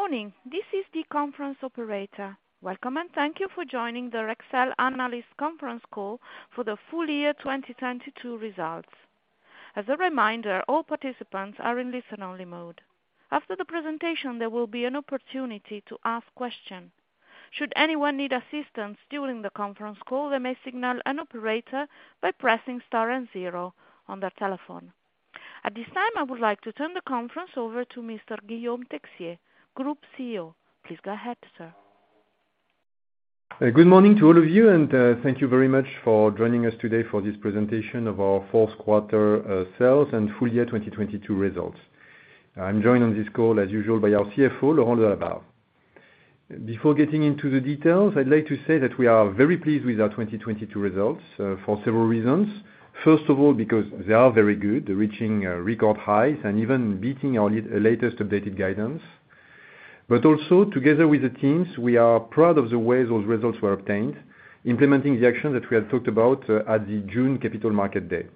Good morning. This is the conference operator. Welcome, and thank you for joining the Rexel Analyst Conference Call for the full year 2022 results. As a reminder, all participants are in listen-only mode. After the presentation, there will be an opportunity to ask question. Should anyone need assistance during the conference call, they may signal an operator by pressing star and zero on their telephone. At this time, I would like to turn the conference over to Mr. Guillaume Texier, Group CEO. Please go ahead, sir. Good morning to all of you. Thank you very much for joining us today for this presentation of our fourth quarter sales and full year 2022 results. I'm joined on this call, as usual, by our CFO, Laurent Delabarre. Before getting into the details, I'd like to say that we are very pleased with our 2022 results for several reasons. First of all, because they are very good, reaching record highs and even beating our latest updated guidance. Also, together with the teams, we are proud of the way those results were obtained, implementing the action that we had talked about at the June Capital Market Day.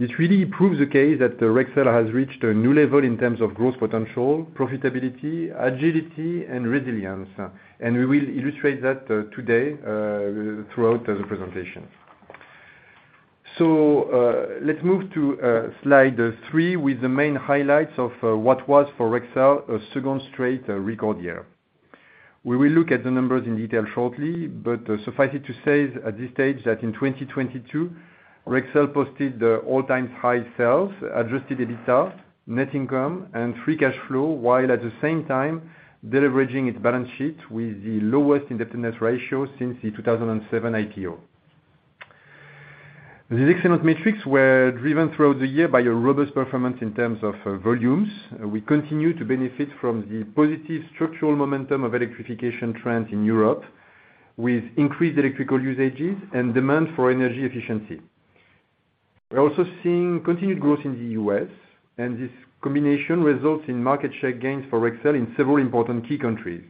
This really proves the case that Rexel has reached a new level in terms of growth potential, profitability, agility, and resilience. We will illustrate that today throughout the presentation. Let's move to slide three with the main highlights of what was for Rexel a second straight record year. We will look at the numbers in detail shortly, but suffice it to say at this stage that in 2022, Rexel posted the all-time high sales, Adjusted EBITDA, net income, and Free Cash Flow, while at the same time de-leveraging its balance sheet with the lowest indebtedness ratio since the 2007 IPO. These excellent metrics were driven throughout the year by a robust performance in terms of volumes. We continue to benefit from the positive structural momentum of electrification trends in Europe, with increased electrical usages and demand for energy efficiency. We're also seeing continued growth in the U.S., and this combination results in market share gains for Rexel in several important key countries.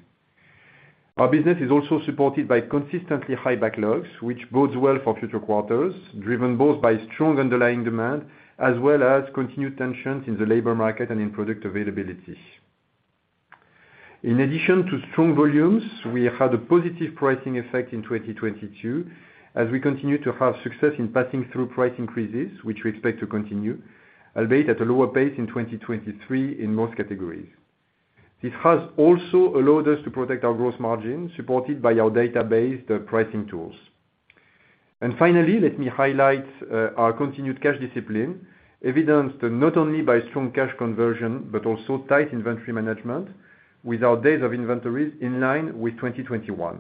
Our business is also supported by consistently high backlogs, which bodes well for future quarters, driven both by strong underlying demand as well as continued tensions in the labor market and in product availability. In addition to strong volumes, we have had a positive pricing effect in 2022, as we continue to have success in passing through price increases, which we expect to continue, albeit at a lower pace in 2023 in most categories. This has also allowed us to protect our growth margin, supported by our database, the pricing tools. Finally, let me highlight our continued cash discipline, evidenced not only by strong cash conversion, but also tight inventory management with our days of inventories in line with 2021.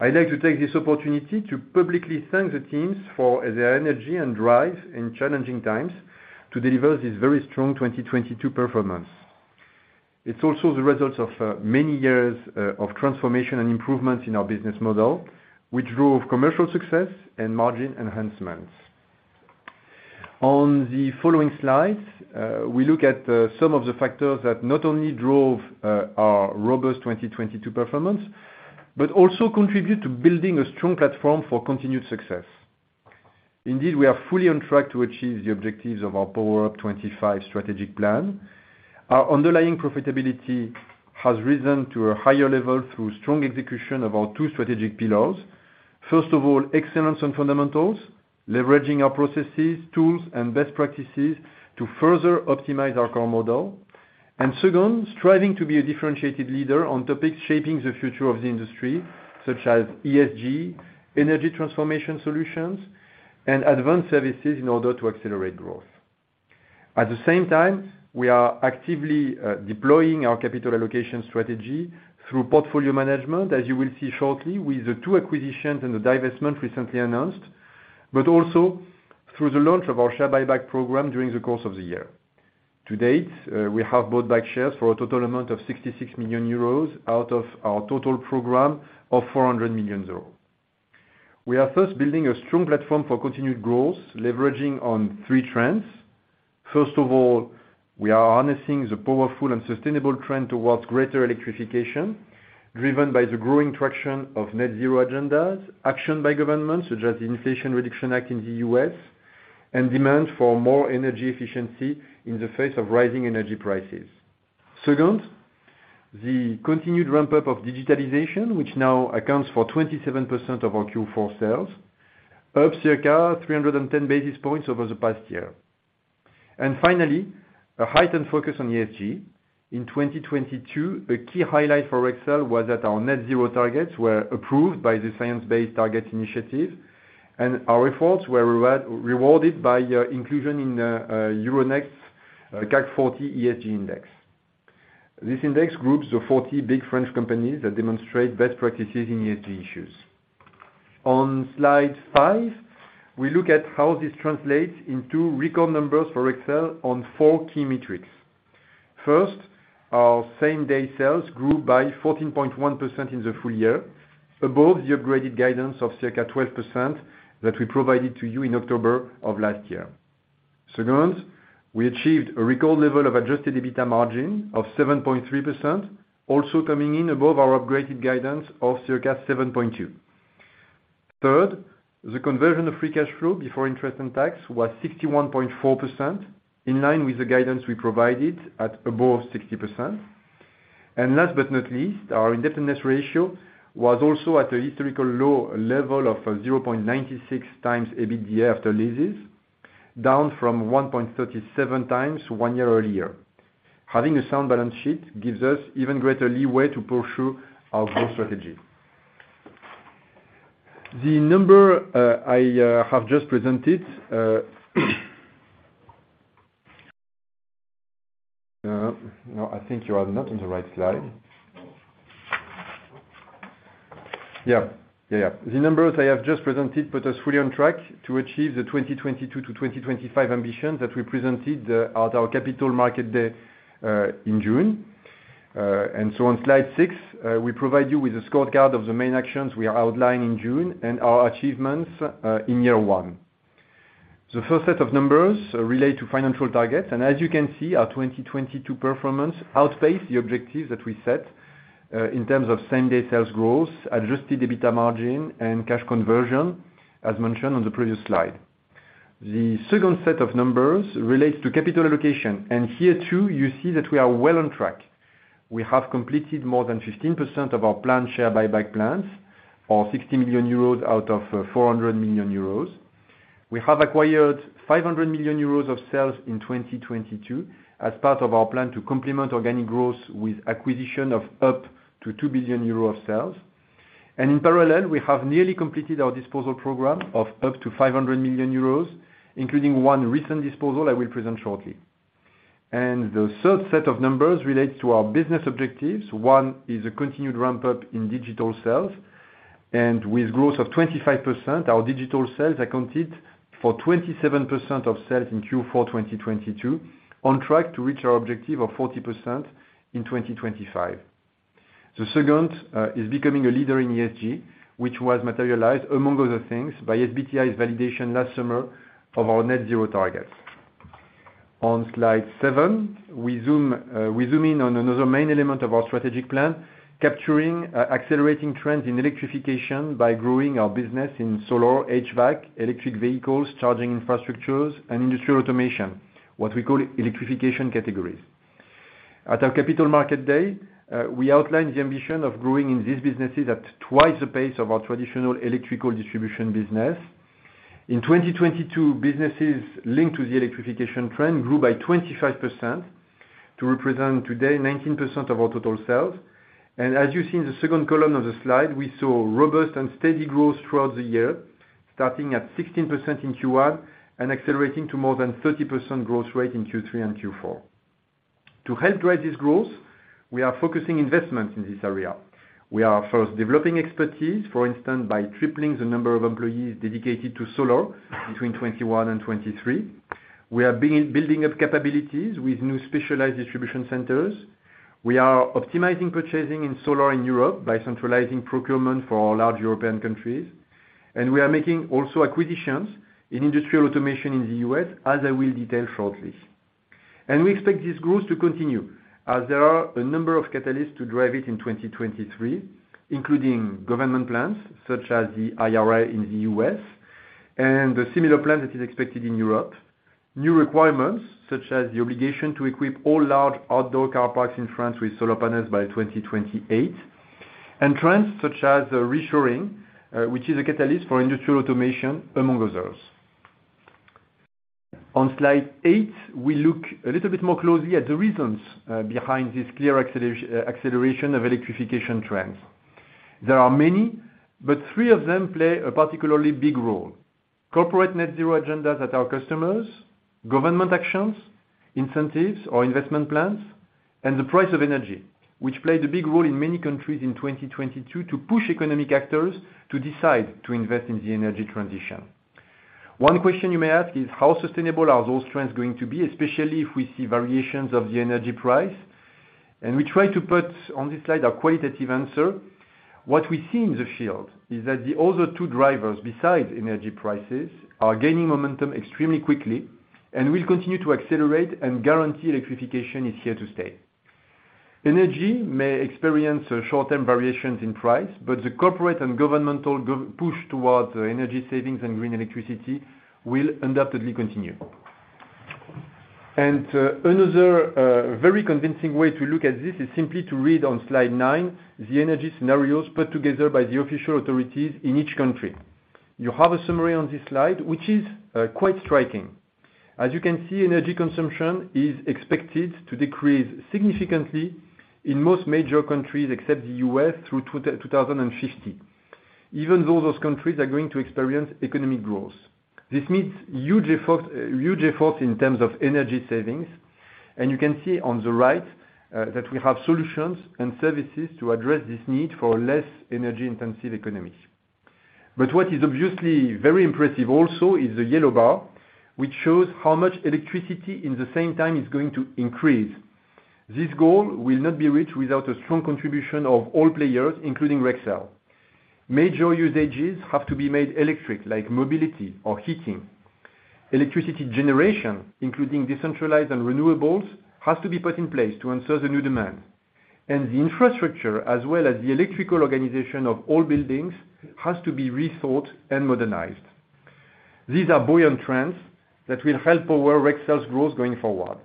I'd like to take this opportunity to publicly thank the teams for their energy and drive in challenging times to deliver this very strong 2022 performance. It's also the results of many years of transformation and improvements in our business model, which drove commercial success and margin enhancements. On the following slides, we look at some of the factors that not only drove our robust 2022 performance but also contribute to building a strong platform for continued success. Indeed, we are fully on track to achieve the objectives of our Power Up 2025 strategic plan. Our underlying profitability has risen to a higher level through strong execution of our two strategic pillars. First of all, excellence and fundamentals, leveraging our processes, tools, and best practices to further optimize our core model. Second, striving to be a differentiated leader on topics shaping the future of the industry, such as ESG, energy transformation solutions, and advanced services in order to accelerate growth. At the same time, we are actively deploying our capital allocation strategy through portfolio management, as you will see shortly, with the two acquisitions and the divestment recently announced, but also through the launch of our share buyback program during the course of the year. To date, we have bought back shares for a total amount of 66 million euros out of our total program of 400 million euros. We are first building a strong platform for continued growth, leveraging on three trends. First of all, we are harnessing the powerful and sustainable trend towards greater electrification, driven by the growing traction of net zero agendas, action by governments, such as the Inflation Reduction Act in the U.S., and demand for more energy efficiency in the face of rising energy prices. Second, the continued ramp-up of digitalization, which now accounts for 27% of our Q4 sales, up circa 310 basis points over the past year. Finally, a heightened focus on ESG. In 2022, a key highlight for Rexel was that our net zero targets were approved by the Science Based Targets initiative, and our efforts were rewarded by inclusion in Euronext's CAC 40 ESG index. This index groups the 40 big French companies that demonstrate best practices in ESG issues. On slide 5, we look at how this translates in two record numbers for Rexel on four key metrics. First, our same-day sales grew by 14.1% in the full year, above the upgraded guidance of circa 12% that we provided to you in October of last year. Second, we achieved a record level of Adjusted EBITDA margin of 7.3%, also coming in above our upgraded guidance of circa 7.2%. Third, the conversion of Free Cash Flow before interest and tax was 61.4%, in line with the guidance we provided at above 60%. Last but not least, our indebtedness ratio was also at a historical low level of 0.96 times EBITDA after leases, down from 1.37 times one year earlier. Having a sound balance sheet gives us even greater leeway to pursue our growth strategy. The number I have just presented, no, I think you are not on the right slide. Yeah. Yeah, yeah. The numbers I have just presented put us fully on track to achieve the 2022-2025 ambition that we presented at our Capital Markets Day in June. On slide 6, we provide you with a scorecard of the main actions we are outlining in June and our achievements in year 1. The first set of numbers relate to financial targets. As you can see, our 2022 performance outpaced the objectives that we set in terms of same-day sales growth, Adjusted EBITDA margin, and cash conversion, as mentioned on the previous slide. The second set of numbers relates to capital allocation. Here, too, you see that we are well on track. We have completed more than 15% of our planned share buyback plans or 60 million euros out of 400 million euros. We have acquired 500 million euros of sales in 2022 as part of our plan to complement organic growth with acquisition of up to 2 billion euro of sales. In parallel, we have nearly completed our disposal program of up to 500 million euros, including one recent disposal I will present shortly. The third set of numbers relates to our business objectives. One is a continued ramp-up in digital sales. With growth of 25%, our digital sales accounted for 27% of sales in Q4 2022, on track to reach our objective of 40% in 2025. The second is becoming a leader in ESG, which was materialized, among other things, by SBTi's validation last summer of our net zero targets. On slide 7, we zoom in on another main element of our strategic plan, capturing accelerating trends in electrification by growing our business in solar, HVAC, electric vehicles, charging infrastructures, and industrial automation, what we call electrification categories. At our Capital Markets Day, we outlined the ambition of growing in these businesses at twice the pace of our traditional electrical distribution business. In 2022 businesses linked to the electrification trend grew by 25% to represent today 19% of our total sales. As you see in the second column of the slide, we saw robust and steady growth throughout the year, starting at 16% in Q1 and accelerating to more than 30% growth rate in Q3 and Q4. To help drive this growth, we are focusing investment in this area. We are first developing expertise, for instance, by tripling the number of employees dedicated to solar between 2021 and 2023. We are building up capabilities with new specialized distribution centers. We are optimizing purchasing in solar in Europe by centralizing procurement for our large European countries. We are making also acquisitions in industrial automation in the U.S., as I will detail shortly. We expect this growth to continue as there are a number of catalysts to drive it in 2023, including government plans, such as the IRA in the U.S. and the similar plan that is expected in Europe, new requirements such as the obligation to equip all large outdoor car parks in France with solar panels by 2028, and trends such as reshoring, which is a catalyst for industrial automation, among others. On slide 8, we look a little bit more closely at the reasons behind this clear acceleration of electrification trends. There are many, but three of them play a particularly big role. Corporate net zero agendas at our customers, government actions, incentives or investment plans, and the price of energy, which played a big role in many countries in 2022 to push economic actors to decide to invest in the energy transition. One question you may ask is how sustainable are those trends going to be, especially if we see variations of the energy price? We try to put on this slide a qualitative answer. What we see in the field is that the other two drivers besides energy prices are gaining momentum extremely quickly and will continue to accelerate and guarantee electrification is here to stay. Energy may experience short-term variations in price, but the corporate and governmental push towards energy savings and green electricity will undoubtedly continue. Another very convincing way to look at this is simply to read on slide 9 the energy scenarios put together by the official authorities in each country. You have a summary on this slide, which is quite striking. As you can see, energy consumption is expected to decrease significantly in most major countries except the U.S. through 2050, even though those countries are going to experience economic growth. This means huge effort in terms of energy savings, you can see on the right that we have solutions and services to address this need for less energy-intensive economies. What is obviously very impressive also is the yellow bar, which shows how much electricity in the same time is going to increase. This goal will not be reached without a strong contribution of all players, including Rexel. Major usages have to be made electric, like mobility or heating. Electricity generation, including decentralized and renewables, has to be put in place to answer the new demand. The infrastructure, as well as the electrical organization of all buildings, has to be rethought and modernized. These are buoyant trends that will help power Rexel's growth going forward.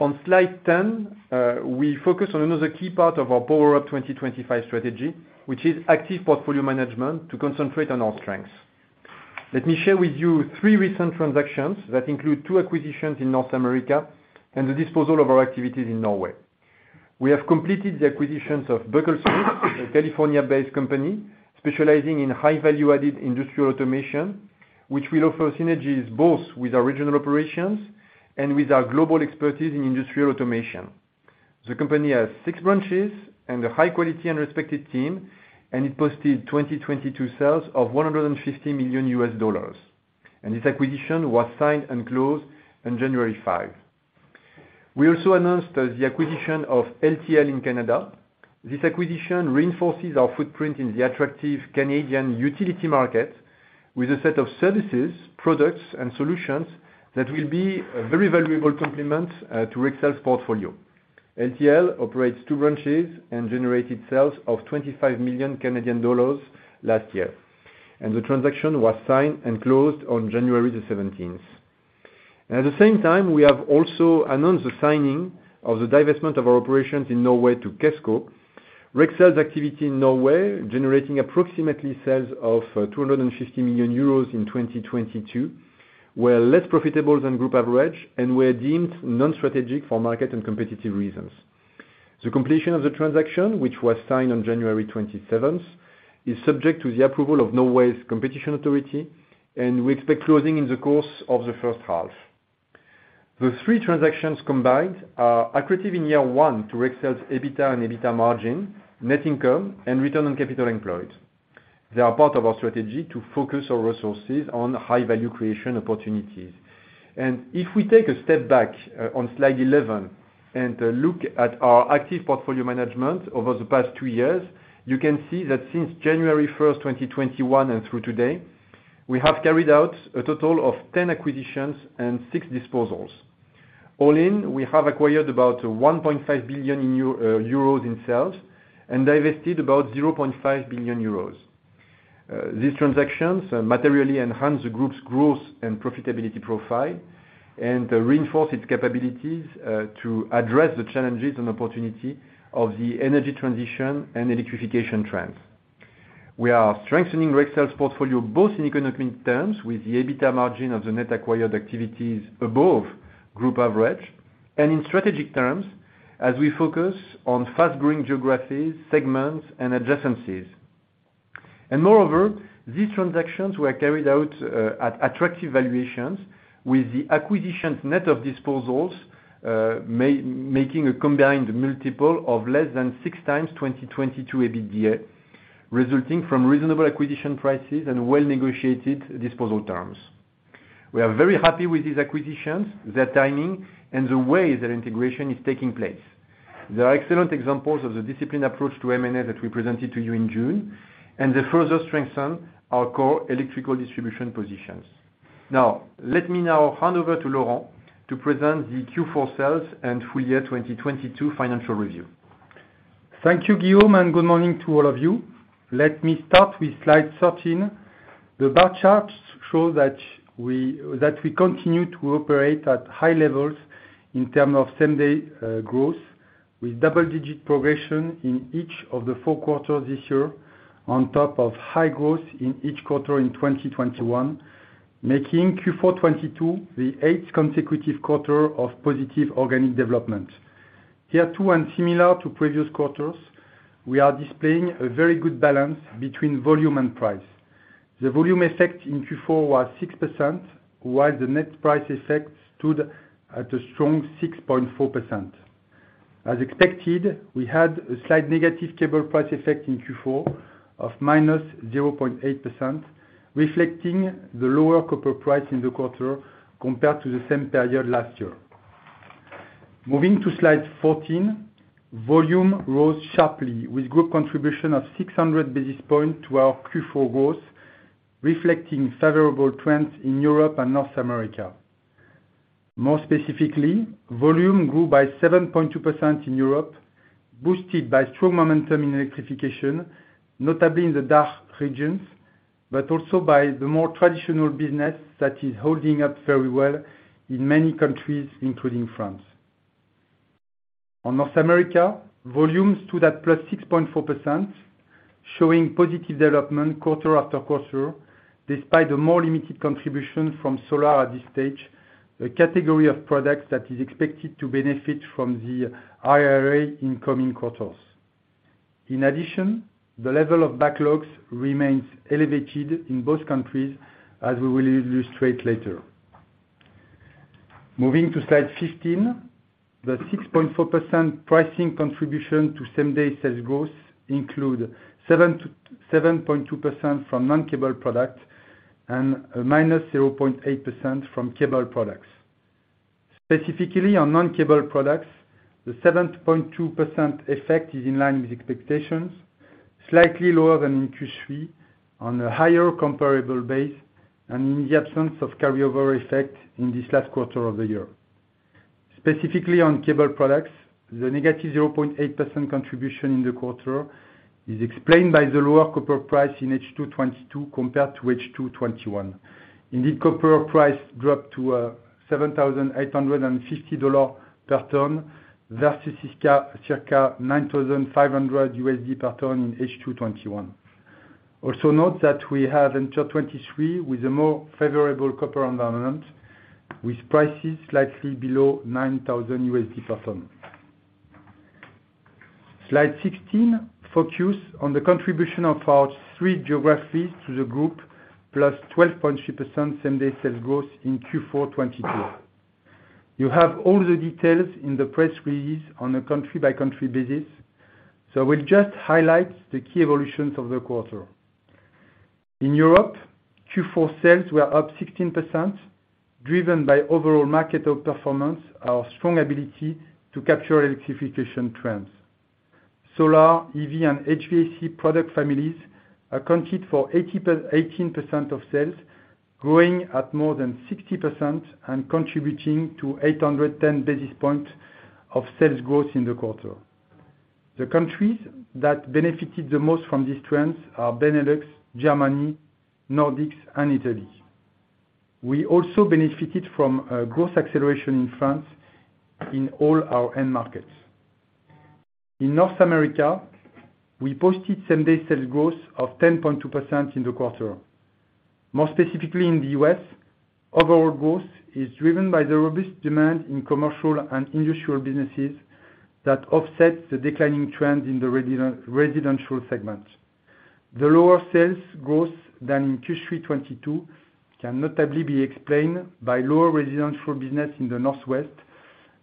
On slide 10, we focus on another key part of our Power Up 2025 strategy, which is active portfolio management to concentrate on our strengths. Let me share with you three recent transactions that include two acquisitions in North America and the disposal of our activities in Norway. We have completed the acquisitions of Buckles-Smith, a California-based company specializing in high value-added industrial automation, which will offer synergies both with our regional operations and with our global expertise in industrial automation. The company has six branches and a high quality and respected team, and it posted 2022 sales of $150 million. This acquisition was signed and closed on January 5. We also announced the acquisition of LTE in Canada. This acquisition reinforces our footprint in the attractive Canadian utility market with a set of services, products, and solutions that will be a very valuable complement to Rexel's portfolio. LTE operates two branches and generated sales of 25 million Canadian dollars last year, and the transaction was signed and closed on January the 17th. At the same time, we have also announced the signing of the divestment of our operations in Norway to Kesko. Rexel's activity in Norway, generating approximately sales of 250 million euros in 2022, were less profitable than group average and were deemed non-strategic for market and competitive reasons. The completion of the transaction, which was signed on January 27th, is subject to the approval of Norway's competition authority, and we expect closing in the course of the first half. The three transactions combined are accretive in year one to Rexel's EBITDA and EBITDA margin, net income, and return on capital employed. They are part of our strategy to focus our resources on high value creation opportunities. If we take a step back on slide 11 and look at our active portfolio management over the past two years, you can see that since January 1st, 2021 and through today, we have carried out a total of 10 acquisitions and six disposals. All in, we have acquired about 1.5 billion euro in sales and divested about 0.5 billion euros. These transactions materially enhance the group's growth and profitability profile and reinforce its capabilities to address the challenges and opportunity of the energy transition and electrification trends. We are strengthening Rexel's portfolio both in economic terms with the EBITDA margin of the net acquired activities above group average, in strategic terms as we focus on fast-growing geographies, segments, and adjacencies. Moreover, these transactions were carried out at attractive valuations with the acquisitions net of disposals, making a combined multiple of less than 6 times 2022 EBITDA, resulting from reasonable acquisition prices and well-negotiated disposal terms. We are very happy with these acquisitions, their timing, and the way that integration is taking place. There are excellent examples of the disciplined approach to M&A that we presented to you in June, they further strengthen our core electrical distribution positions. Now, let me now hand over to Laurent to present the Q4 sales and full year 2022 financial review. Thank you, Guillaume. Good morning to all of you. Let me start with slide 13. The bar charts show that we continue to operate at high levels in terms of same-day growth with double-digit progression in each of the four quarters this year on top of high growth in each quarter in 2021, making Q4 2022 the eighth consecutive quarter of positive organic development. Here too, similar to previous quarters, we are displaying a very good balance between volume and price. The volume effect in Q4 was 6%, while the net price effect stood at a strong 6.4%. As expected, we had a slight negative cable price effect in Q4 of -0.8%, reflecting the lower copper price in the quarter compared to the same period last year. Moving to slide 14, volume rose sharply with group contribution of 600 basis points to our Q4 growth, reflecting favorable trends in Europe and North America. More specifically, volume grew by 7.2% in Europe, boosted by strong momentum in electrification, notably in the DACH regions, also by the more traditional business that is holding up very well in many countries, including France. On North America, volumes stood at +6.4%, showing positive development quarter after quarter, despite a more limited contribution from solar at this stage, a category of products that is expected to benefit from the IRA in coming quarters. In addition, the level of backlogs remains elevated in both countries, as we will illustrate later. Moving to slide 15, the 6.4% pricing contribution to same-day sales growth include 7.2% from non-cable product and a -0.8% from cable products. Specifically on non-cable products, the 7.2% effect is in line with expectations, slightly lower than in Q3 on a higher comparable base and in the absence of carryover effect in this last quarter of the year. Specifically on cable products, the -0.8% contribution in the quarter is explained by the lower copper price in H2 2022 compared to H2 2021. Indeed, copper price dropped to $7,850 per ton versus circa $9,500 per ton in H2 2021. Note that we have entered 2023 with a more favorable copper environment with prices slightly below $9,000 per ton. Slide 16 focus on the contribution of our three geographies to the group, +12.3% same-day sales growth in Q4 2022. You have all the details in the press release on a country-by-country basis, we'll just highlight the key evolutions of the quarter. In Europe, Q4 sales were up 16%, driven by overall market outperformance, our strong ability to capture electrification trends. Solar, EV and HVAC product families accounted for 18% of sales, growing at more than 60% and contributing to 810 basis points of sales growth in the quarter. The countries that benefited the most from these trends are Benelux, Germany, Nordics and Italy. We also benefited from growth acceleration in France in all our end markets. In North America, we posted same-day sales growth of 10.2% in the quarter. More specifically in the U.S., overall growth is driven by the robust demand in commercial and industrial businesses that offsets the declining trend in the residential segment. The lower sales growth than in Q3 2022 can notably be explained by lower residential business in the Northwest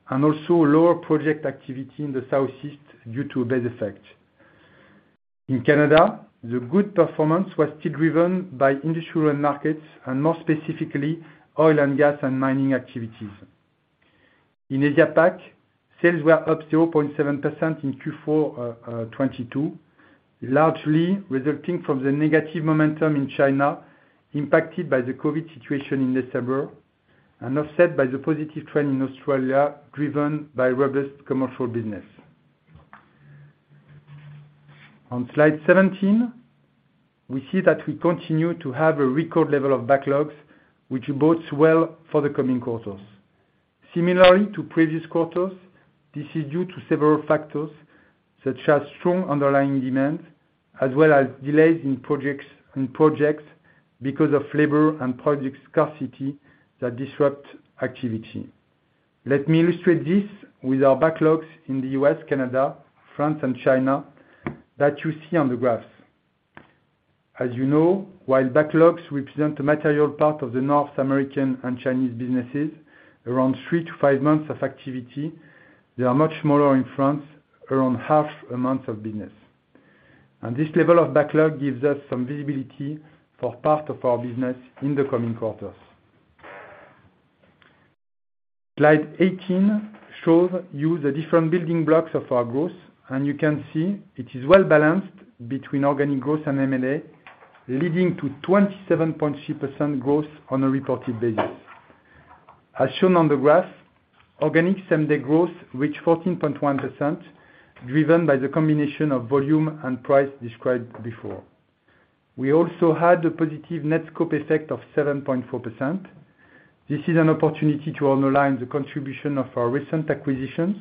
and also lower project activity in the Southeast due to a base effect. In Canada, the good performance was still driven by industrial end markets and more specifically, oil and gas and mining activities. In Asia Pac, sales were up 0.7% in Q4 2022, largely resulting from the negative momentum in China impacted by the COVID situation in December and offset by the positive trend in Australia driven by robust commercial business. On slide 17, we see that we continue to have a record level of backlogs, which bodes well for the coming quarters. Similarly to previous quarters, this is due to several factors such as strong underlying demand as well as delays in projects because of labor and project scarcity that disrupt activity. Let me illustrate this with our backlogs in the U.S., Canada, France and China that you see on the graphs. As you know, while backlogs represent a material part of the North American and Chinese businesses, around 3-5 months of activity, they are much smaller in France, around half a month of business. This level of backlog gives us some visibility for part of our business in the coming quarters. Slide 18 shows you the different building blocks of our growth, You can see it is well-balanced between organic growth and M&A, leading to 27.3% growth on a reported basis. As shown on the graph, organic same-day growth reached 14.1%, driven by the combination of volume and price described before. We also had a positive net scope effect of 7.4%. This is an opportunity to underline the contribution of our recent acquisitions,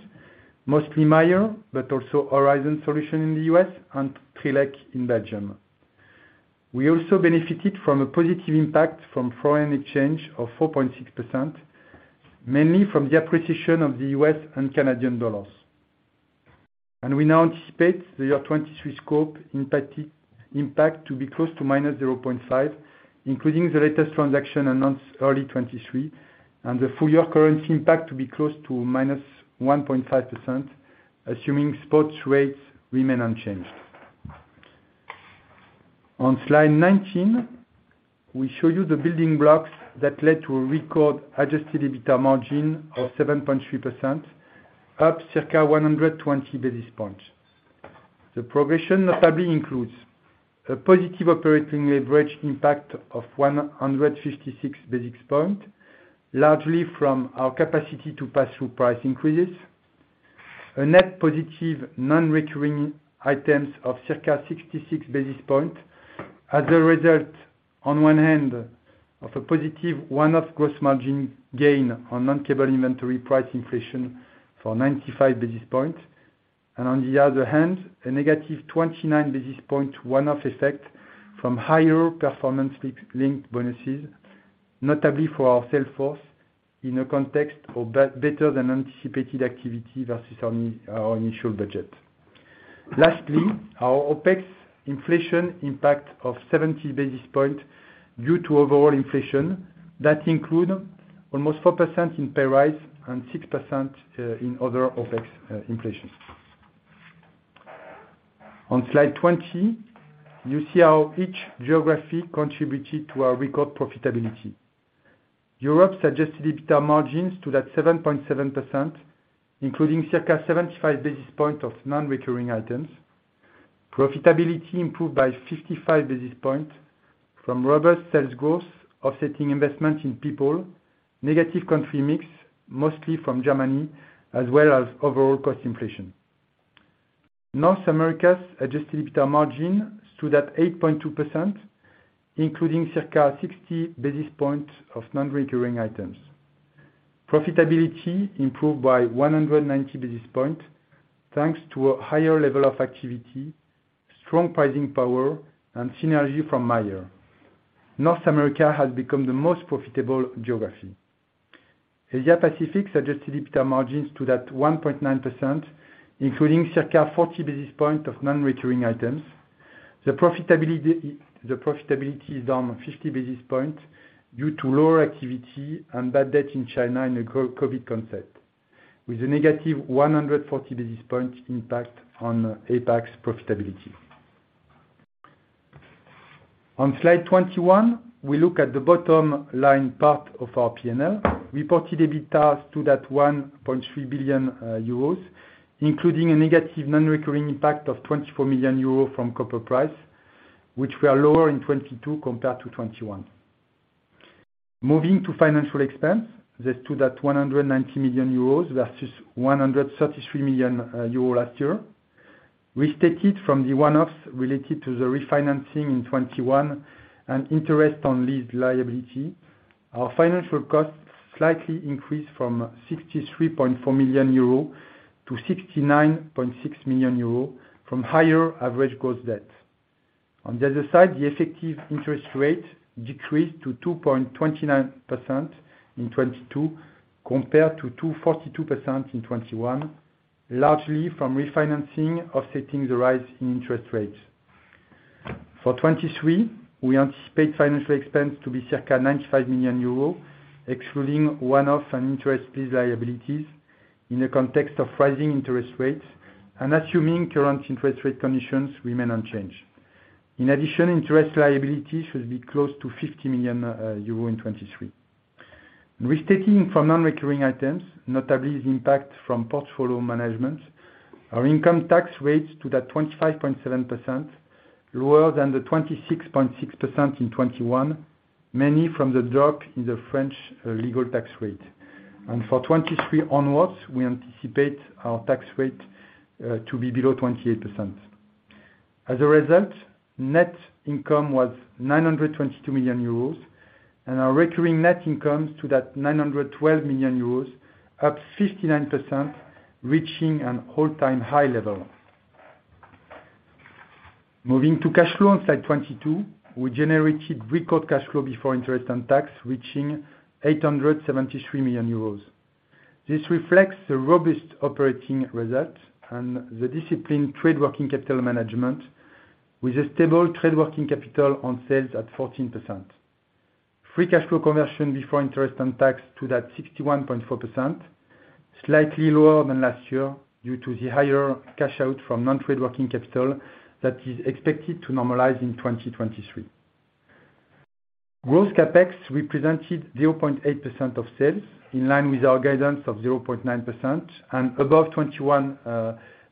mostly Mayer, but also Horizon Solutions in the U.S. and Trilec in Belgium. We also benefited from a positive impact from foreign exchange of 4.6%, mainly from the appreciation of the U.S. and Canadian dollars. We now anticipate the year 2023 scope impact to be close to -0.5%, including the latest transaction announced early 2023, and the full year currency impact to be close to -1.5%, assuming spot rates remain unchanged. On slide 19, we show you the building blocks that led to a record Adjusted EBITDA margin of 7.3%, up circa 120 basis points. The progression notably includes a positive operating leverage impact of 156 basis point, largely from our capacity to pass through price increases. A net positive non-recurring items of circa 66 basis points as a result on one hand of a positive one-off gross margin gain on non-cable inventory price inflation for 95 basis points. On the other hand, a negative 29 basis points one-off effect from higher performance linked bonuses, notably for our sales force in a context of better than anticipated activity versus our initial budget. Lastly, our OpEx inflation impact of 70 basis points due to overall inflation that include almost 4% in pay rise and 6% in other OpEx inflation. On slide 20, you see how each geography contributed to our record profitability. Europe suggested EBITDA margins stood at 7.7%, including circa 75 basis points of non-recurring items. Profitability improved by 55 basis points from robust sales growth, offsetting investments in people, negative country mix, mostly from Germany, as well as overall cost inflation. North America's Adjusted EBITDA margin stood at 8.2%, including circa 60 basis points of non-recurring items. Profitability improved by 190 basis points, thanks to a higher level of activity, strong pricing power, and synergy from Mayer. North America has become the most profitable geography. Asia Pacific suggested EBITDA margins stood at 1.9%, including circa 40 basis points of non-recurring items. The profitability is down 50 basis points due to lower activity and bad debt in China in a COVID concept, with a negative 140 basis point impact on APAC's profitability. On slide 21, we look at the bottom line part of our P&L. Reported EBITDA stood at 1.3 billion euros, including a negative non-recurring impact of 24 million euros from copper price, which were lower in 2022 compared to 2021. Moving to financial expense, that stood at 190 million euros versus 133 million euros last year. Restated from the one-offs related to the refinancing in 2021 and interest on lease liability, our financial costs slightly increased from 63.4 million euro to 69.6 million euro from higher average gross debt. On the other side, the effective interest rate decreased to 2.29% in 2022 compared to 2.42% in 2021, largely from refinancing offsetting the rise in interest rates. For 2023, we anticipate financial expense to be circa 95 million euros, excluding one-off and interest lease liabilities in the context of rising interest rates and assuming current interest rate conditions remain unchanged. In addition, interest liability should be close to 50 million euro in 2023. Restating from non-recurring items, notably the impact from portfolio management, our income tax rates stood at 25.7%, lower than the 26.6% in 2021, mainly from the drop in the French legal tax rate. For 2023 onwards, we anticipate our tax rate to be below 28%. As a result, net income was 922 million euros, and our recurring net income stood at 912 million euros, up 59%, reaching an all-time high level. Moving to cash flow on slide 22, we generated record cash flow before interest and tax, reaching 873 million euros. This reflects the robust operating result and the disciplined trade working capital management with a stable trade working capital on sales at 14%. Free cash flow conversion before interest and tax stood at 61.4%, slightly lower than last year due to the higher cash out from non-trade working capital that is expected to normalize in 2023. Gross CapEx represented 0.8% of sales, in line with our guidance of 0.9% and above 2021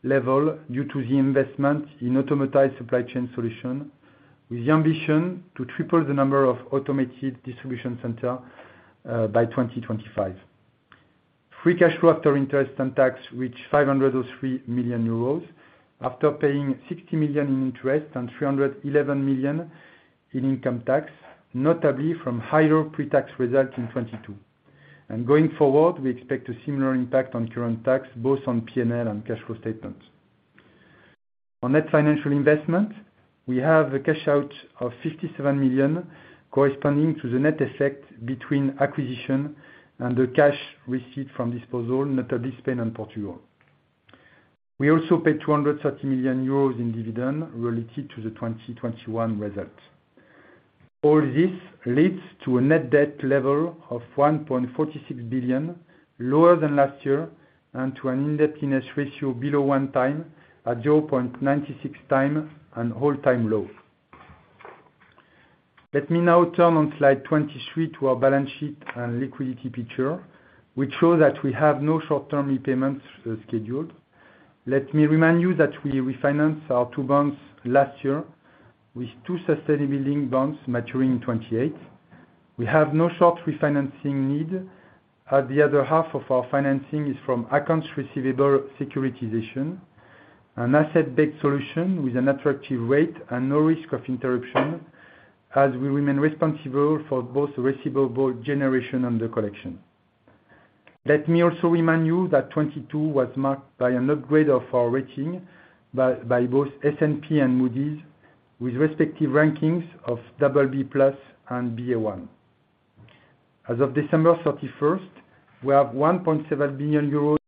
level due to the investment in automated supply chain solution with the ambition to triple the number of automated distribution center by 2025. Free cash flow after interest and tax reached 503 million euros after paying 60 million in interest and 311 million in income tax, notably from higher pre-tax results in 2022. Going forward, we expect a similar impact on current tax both on P&L and cash flow statements. On net financial investment, we have a cash out of 57 million corresponding to the net effect between acquisition and the cash received from disposal, notably Spain and Portugal. We also paid 230 million euros in dividend related to the 2021 result. This leads to a net debt level of 1.46 billion, lower than last year, and to a indebtedness ratio below 1 time, at 0.96 time and all-time low. Let me now turn on slide 23 to our balance sheet and liquidity picture, which shows that we have no short-term repayments scheduled. Let me remind you that we refinance our two bonds last year with two sustainability bonds maturing in 2028. We have no short refinancing need, as the other half of our financing is from accounts receivable securitization, an asset-based solution with an attractive rate and no risk of interruption as we remain responsible for both receivable generation and the collection. Let me also remind you that 2022 was marked by an upgrade of our rating by both S&P and Moody's with respective rankings of BB+ and Ba1. As of December 31st, we have 1.7 billion euros.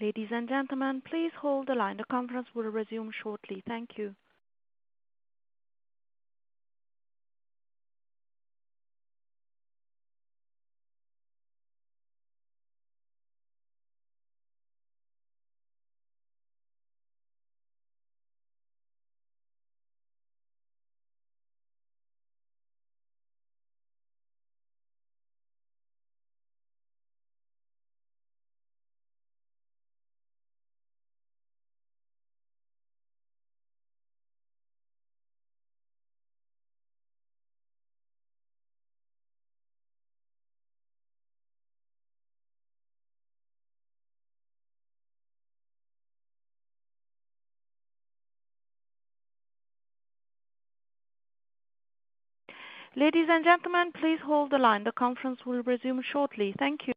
Ladies and gentlemen, please hold the line. The conference will resume shortly. Thank you. Ladies and gentlemen, please hold the line. The conference will resume shortly. Thank you.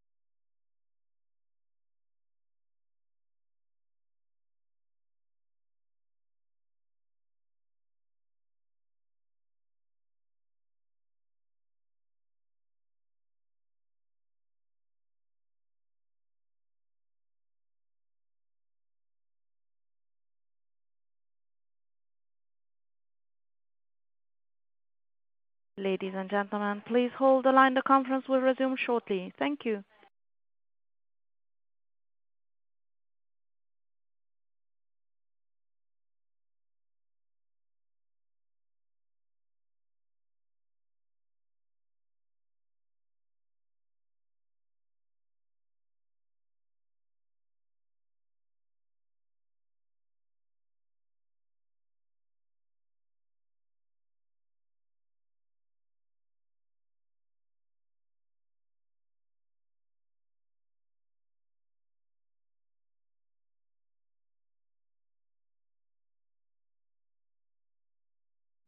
Ladies and gentlemen, please hold the line. The conference will resume shortly. Thank you.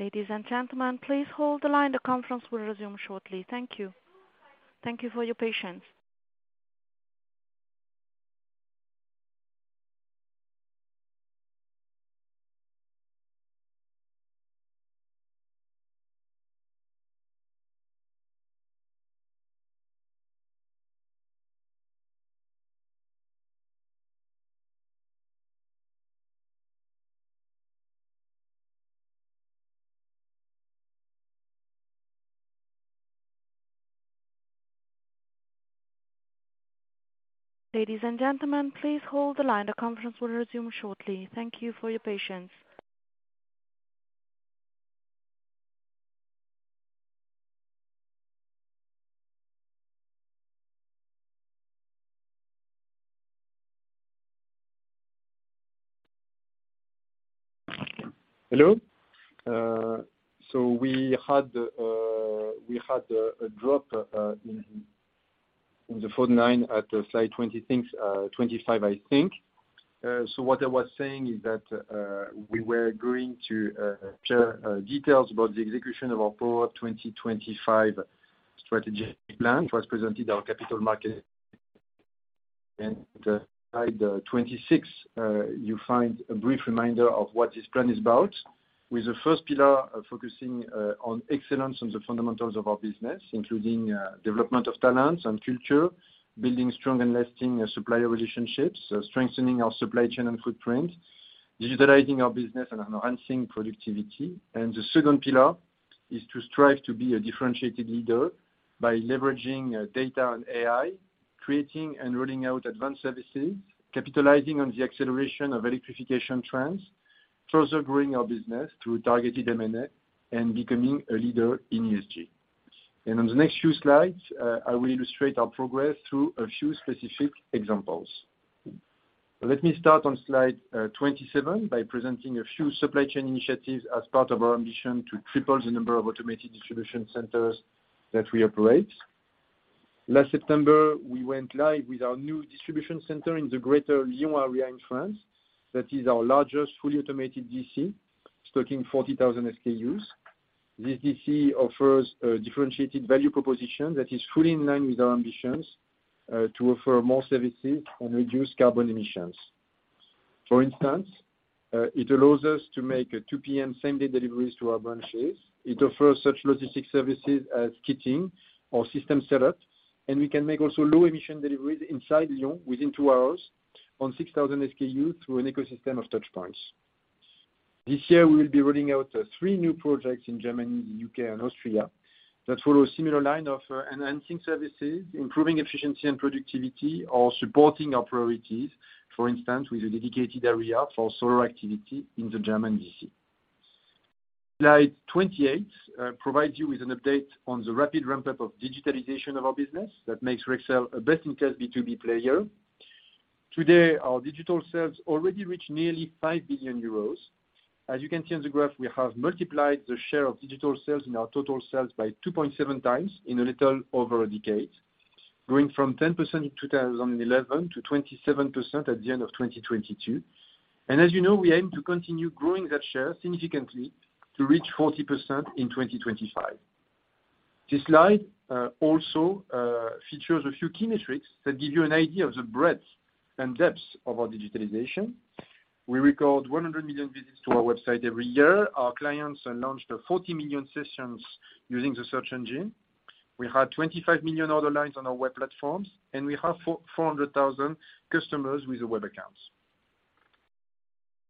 Ladies and gentlemen, please hold the line. The conference will resume shortly. Thank you. Thank you for your patience. Hello. We had a drop in the phone line at slide 20 things, 25, I think. What I was saying is that we were going to share details about the execution of our Power Up 2025 strategy plan was presented our capital market, by the 26, you find a brief reminder of what this plan is about. With the first pillar, focusing on excellence on the fundamentals of our business, including development of talents and culture, building strong and lasting supplier relationships, strengthening our supply chain and footprint, digitalizing our business, and enhancing productivity. The second pillar is to strive to be a differentiated leader by leveraging data and AI, creating and rolling out advanced services, capitalizing on the acceleration of electrification trends, further growing our business through targeted M&A, and becoming a leader in ESG. On the next few slides, I will illustrate our progress through a few specific examples. Let me start on slide 27 by presenting a few supply chain initiatives as part of our ambition to triple the number of automated distribution centers that we operate. Last September, we went live with our new distribution center in the greater Lyon area in France. That is our largest fully automated DC, stocking 40,000 SKUs. This DC offers a differentiated value proposition that is fully in line with our ambitions to offer more services and reduce carbon emissions. For instance, it allows us to make 2 P.M. same-day deliveries to our branches. It offers such logistics services as kitting or system setup, and we can make also low emission deliveries inside Lyon within two hours on 6,000 SKU through an ecosystem of touchpoints. This year, we'll be rolling out three new projects in Germany, U.K. and Austria that follow a similar line of enhancing services, improving efficiency and productivity, or supporting our priorities. For instance, with a dedicated area for solar activity in the German D.C. Slide 28 provides you with an update on the rapid ramp-up of digitalization of our business that makes Rexel a best-in-class B2B player. Today, our digital sales already reach nearly 5 billion euros. As you can see on the graph, we have multiplied the share of digital sales in our total sales by 2.7 times in a little over a decade. Going from 10% in 2011 to 27% at the end of 2022. As you know, we aim to continue growing that share significantly to reach 40% in 2025. This slide also features a few key metrics that give you an idea of the breadth and depth of our digitalization. We record 100 million visits to our website every year. Our clients launched 40 million sessions using the search engine. We have 25 million order lines on our web platforms, and we have 400,000 customers with web accounts.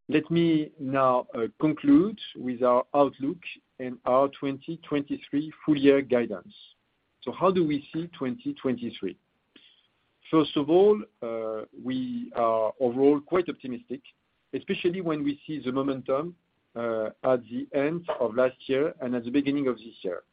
Let me now conclude with our outlook and our 2023 full year guidance. How do we see 2023? First of all, we are overall quite optimistic, especially when we see the momentum at the end of last year and at the beginning of this year.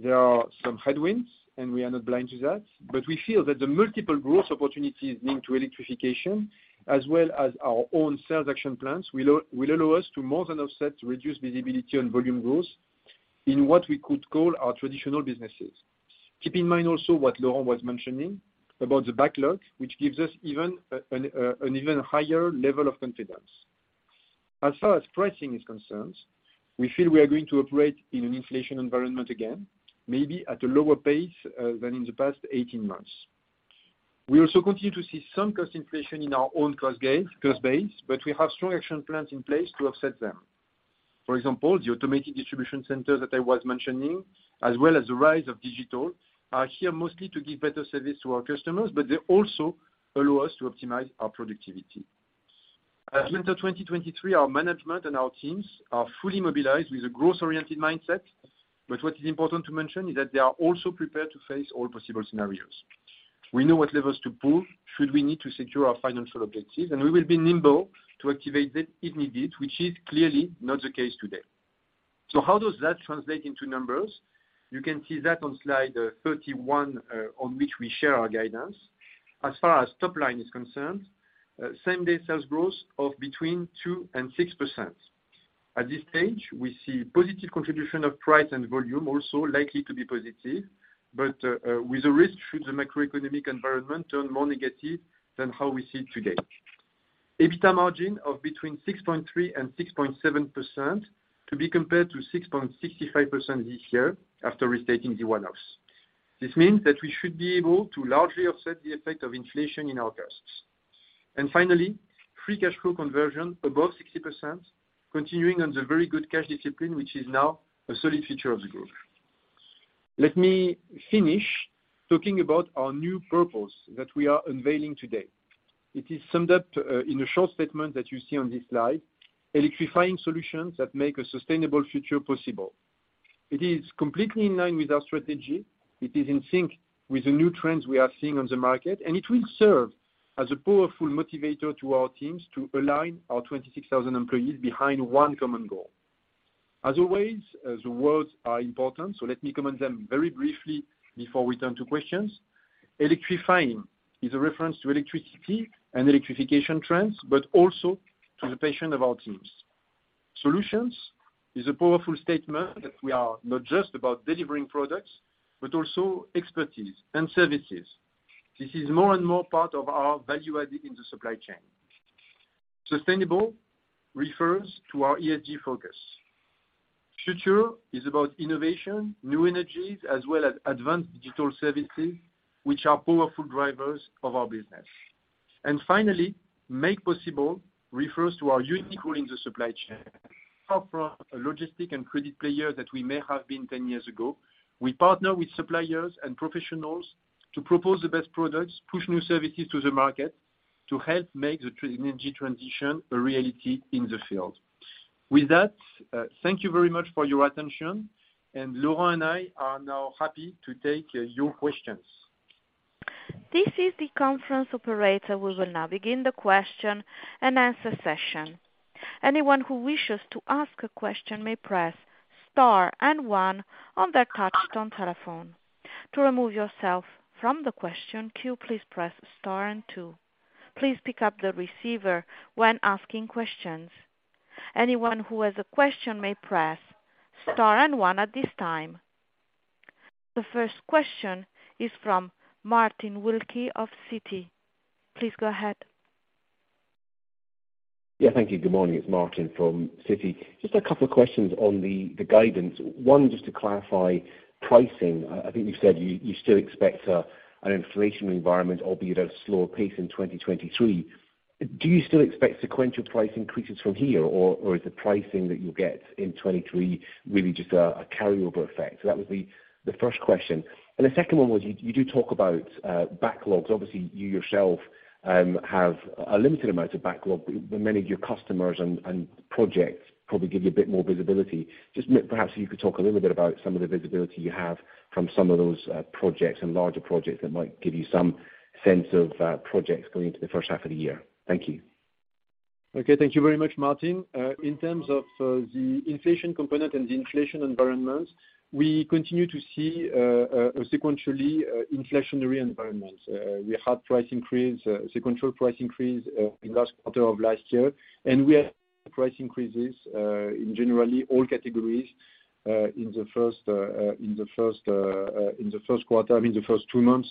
There are some headwinds and we are not blind to that, but we feel that the multiple growth opportunities linked to electrification as well as our own sales action plans will allow us to more than offset, reduce visibility on volume growth in what we could call our traditional businesses. Keep in mind also what Laurent was mentioning about the backlog, which gives us even an even higher level of confidence. As far as pricing is concerned, we feel we are going to operate in an inflation environment again, maybe at a lower pace than in the past 18 months. We also continue to see some cost inflation in our own cost base. We have strong action plans in place to offset them. For example, the automated distribution center that I was mentioning, as well as the rise of digital, are here mostly to give better service to our customers, but they also allow us to optimize our productivity. As mentor 2023, our management and our teams are fully mobilized with a growth-oriented mindset. What is important to mention is that they are also prepared to face all possible scenarios. We know what levers to pull should we need to secure our financial objectives, and we will be nimble to activate that if needed, which is clearly not the case today. How does that translate into numbers? You can see that on slide 31, on which we share our guidance. As far as top line is concerned, same-day sales growth of between 2%-6%. At this stage, we see positive contribution of price and volume, also likely to be positive, but with a risk should the macroeconomic environment turn more negative than how we see it today. EBITDA margin of between 6.3%-6.7% to be compared to 6.65% this year after restating the one-offs. This means that we should be able to largely offset the effect of inflation in our costs. Finally, Free Cash Flow conversion above 60% continuing on the very good cash discipline, which is now a solid feature of the group. Let me finish talking about our new purpose that we are unveiling today. It is summed up in a short statement that you see on this slide, "Electrifying solutions that make a sustainable future possible." It is completely in line with our strategy. It is in sync with the new trends we are seeing on the market, and it will serve as a powerful motivator to our teams to align our 26,000 employees behind one common goal. As always, the words are important, so let me comment them very briefly before we turn to questions. Electrifying is a reference to electricity and electrification trends, but also to the passion of our teams. Solutions is a powerful statement that we are not just about delivering products, but also expertise and services. This is more and more part of our value add in the supply chain. Sustainable refers to our ESG focus. Future is about innovation, new energies, as well as advanced digital services, which are powerful drivers of our business. Finally, make possible refers to our unique role in the supply chain. Far from a logistic and credit player that we may have been 10 years ago, we partner with suppliers and professionals to propose the best products, push new services to the market. To help make the energy transition a reality in the field. With that, thank you very much for your attention, Laurent and I are now happy to take your questions. This is the conference operator. We will now begin the question and answer session. Anyone who wishes to ask a question may press star and one on their touch tone telephone. To remove yourself from the question queue, please press star and two. Please pick up the receiver when asking questions. Anyone who has a question may press star and one at this time. The first question is from Martin Wilkie of Citi. Please go ahead. Thank you. Good morning. It's Martin from Citi. Just a couple of questions on the guidance. One, just to clarify pricing. I think you said you still expect an inflationary environment, albeit at a slower pace in 2023. Do you still expect sequential price increases from here, or is the pricing that you'll get in 2023 really just a carryover effect? That was the first question. The second one was you do talk about backlogs. Obviously, you yourself have a limited amount of backlog, but many of your customers and projects probably give you a bit more visibility. Perhaps you could talk a little bit about some of the visibility you have from some of those projects and larger projects that might give you some sense of projects going into the first half of the year? Thank you. Okay, thank you very much, Martin. In terms of the inflation component and the inflation environment, we continue to see a sequentially inflationary environment. We had price increase, sequential price increase, in last quarter of last year. We have price increases in generally all categories in the first quarter, I mean, the first two months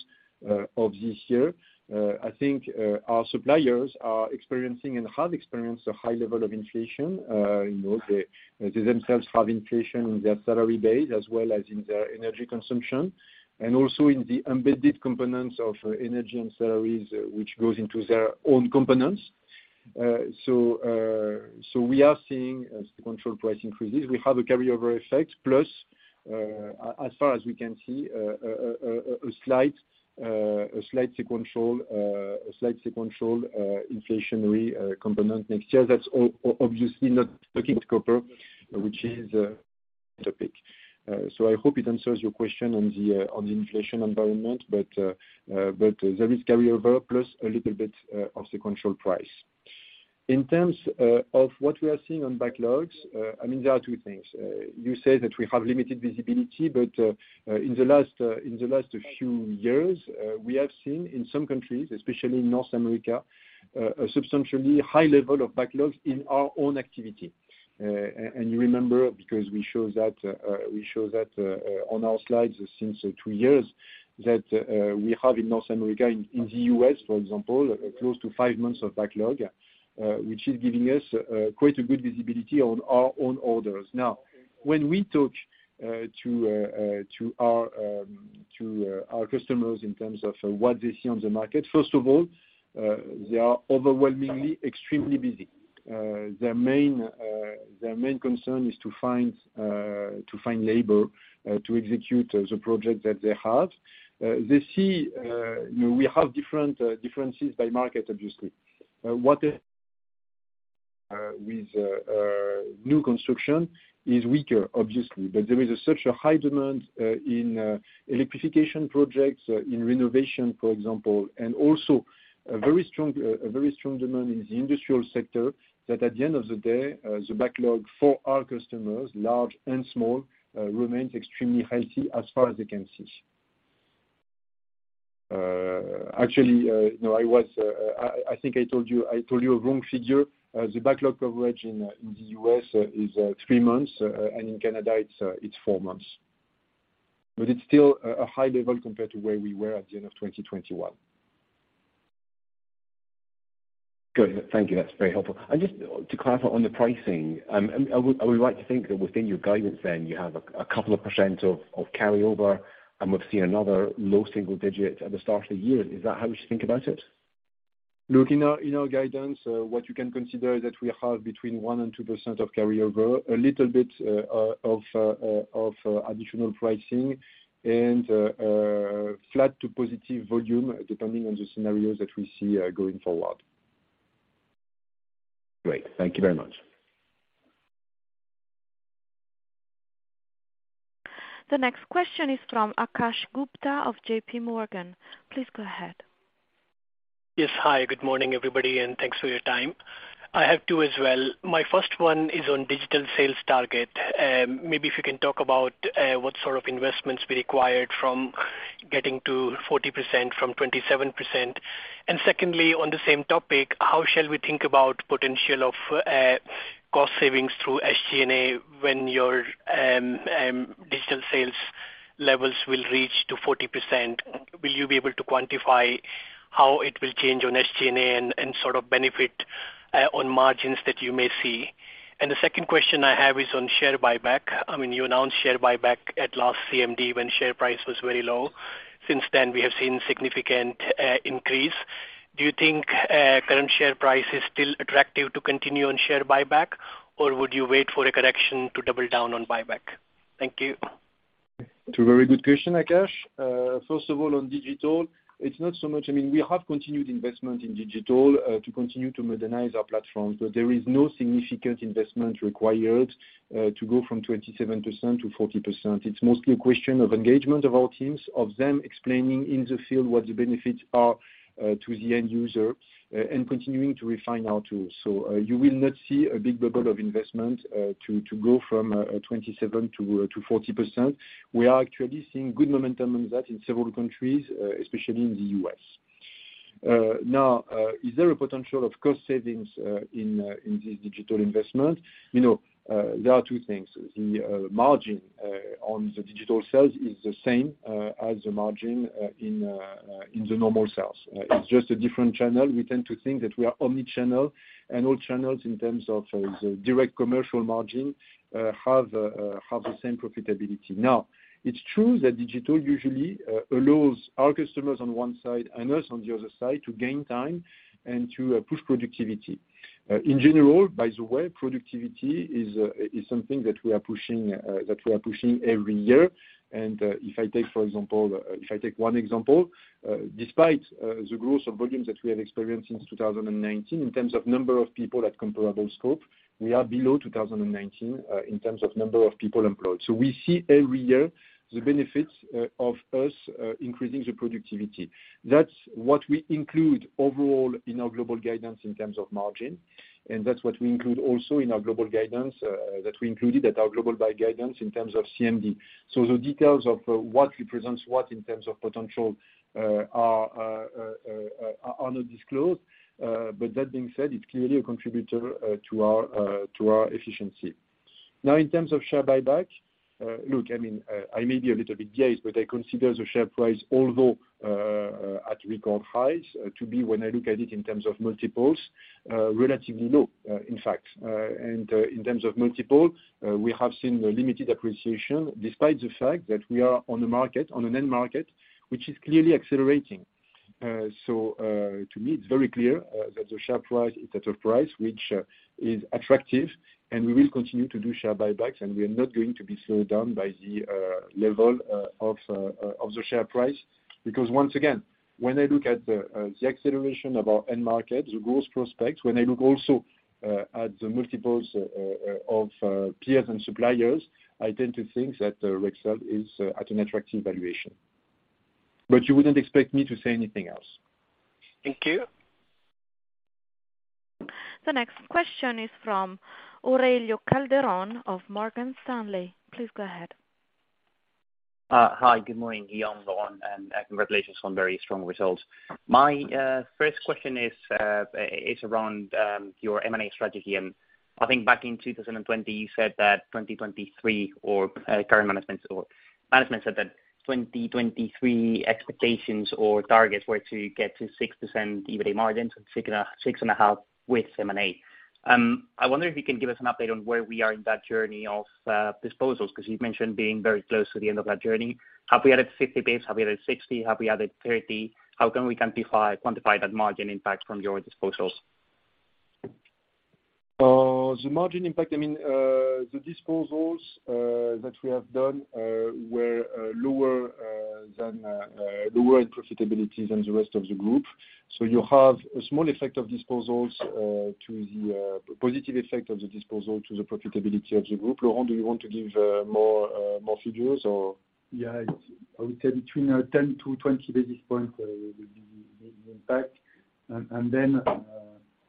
of this year. I think our suppliers are experiencing and have experienced a high level of inflation. You know, they themselves have inflation in their salary base as well as in their energy consumption and also in the embedded components of energy and salaries which goes into their own components. We are seeing sequential price increases. We have a carryover effect, plus, as far as we can see, a slight sequential inflationary component next year. That's obviously not looking at copper, which is a topic. I hope it answers your question on the inflation environment, but there is carryover plus a little bit of sequential price. In terms of what we are seeing on backlogs, I mean, there are two things. You say that we have limited visibility, but in the last few years, we have seen in some countries, especially in North America, a substantially high level of backlogs in our own activity. You remember because we show that, on our slides since two years that, we have in North America, in the U.S. for example, close to five months of backlog, which is giving us, quite a good visibility on our own orders. Now, when we talk to our, to our customers in terms of what they see on the market, first of all, they are overwhelmingly extremely busy. Their main concern is to find labor, to execute the project that they have. They see, you know, we have different, differences by market obviously. What with new construction is weaker obviously, but there is such a high demand in electrification projects, in renovation, for example, and also a very strong demand in the industrial sector that at the end of the day, the backlog for our customers, large and small, remains extremely healthy as far as they can see. Actually, you know, I was, I think I told you a wrong figure. The backlog coverage in the U.S. is three months, and in Canada it's four months. It's still a high level compared to where we were at the end of 2021. Good. Thank you. That's very helpful. Just to clarify on the pricing, I mean, are we right to think that within your guidance then you have a couple of percent of carryover and we've seen another low single digit at the start of the year? Is that how we should think about it? Look, in our guidance, what you can consider is that we have between 1% and 2% of carryover, a little bit of additional pricing and flat to positive volume depending on the scenarios that we see going forward. Great. Thank you very much. The next question is from Akash Gupta of J.P. Morgan. Please go ahead. Yes. Hi, good morning, everybody, and thanks for your time. I have two as well. My first one is on digital sales target. Maybe if you can talk about what sort of investments be required from getting to 40% from 27%? Secondly, on the same topic, how shall we think about potential of cost savings through SG&A when your digital sales levels will reach to 40%? Will you be able to quantify how it will change on SG&A and sort of benefit on margins that you may see? The second question I have is on share buyback. I mean, you announced share buyback at last CMD when share price was very low. Since then, we have seen significant increase. Do you think current share price is still attractive to continue on share buyback, or would you wait for a correction to double down on buyback? Thank you. It's a very good question, Akash. First of all, on digital, it's not so much... I mean, we have continued investment in digital to continue to modernize our platform. There is no significant investment required to go from 27% to 40%. It's mostly a question of engagement of our teams, of them explaining in the field what the benefits are to the end user and continuing to refine our tools. You will not see a big bubble of investment to go from 27% to 40%. We are actually seeing good momentum on that in several countries, especially in the U.S. Now, is there a potential of cost savings in this digital investment? You know, there are two things. The margin on the digital sales is the same as the margin in the normal sales. It's just a different channel. We tend to think that we are omni-channel, and all channels in terms of the direct commercial margin have the same profitability. It's true that digital usually allows our customers on one side and us on the other side to gain time and to push productivity. In general, by the way, productivity is something that we are pushing that we are pushing every year. If I take, for example, if I take 1 example, despite the growth of volumes that we have experienced since 2019, in terms of number of people at comparable scope, we are below 2019, in terms of number of people employed. We see every year the benefits of us increasing the productivity. That's what we include overall in our global guidance in terms of margin, and that's what we include also in our global guidance that we included at our global buy guidance in terms of CMD. The details of what represents what in terms of potential are not disclosed. That being said, it's clearly a contributor to our efficiency. In terms of share buyback, look, I mean, I may be a little bit jazzed, but I consider the share price although, at record highs, to be, when I look at it in terms of multiples, relatively low, in fact. In terms of multiple, we have seen a limited appreciation despite the fact that we are on a market, on an end market, which is clearly accelerating. To me, it's very clear, that the share price is at a price which, is attractive, and we will continue to do share buybacks, and we are not going to be slowed down by the level of the share price. Once again, when I look at the acceleration of our end market, the growth prospects, when I look also at the multiples of peers and suppliers, I tend to think that Rexel is at an attractive valuation. You wouldn't expect me to say anything else. Thank you. The next question is from Aurelio Calderon of Morgan Stanley. Please go ahead. Hi, good morning, Guillaume Texier, Laurent Delabarre, congratulations on very strong results. My first question is around your M&A strategy. I think back in 2020, you said that 2023, or current management or management said that 2023 expectations or targets were to get to 6% EBITDA margins and 6.5% with M&A. I wonder if you can give us an update on where we are in that journey of disposals, because you've mentioned being very close to the end of that journey. Have we added 50 basis points? Have we added 60 basis points? Have we added 30 basis points? How can we quantify that margin impact from your disposals? The margin impact, I mean, the disposals that we have done were lower than lower in profitability than the rest of the group. So you have a small effect of disposals to the positive effect of the disposal to the profitability of the group. Laurent, do you want to give more figures or? Yeah. I would say between 10 and 20 basis points, the impact. Then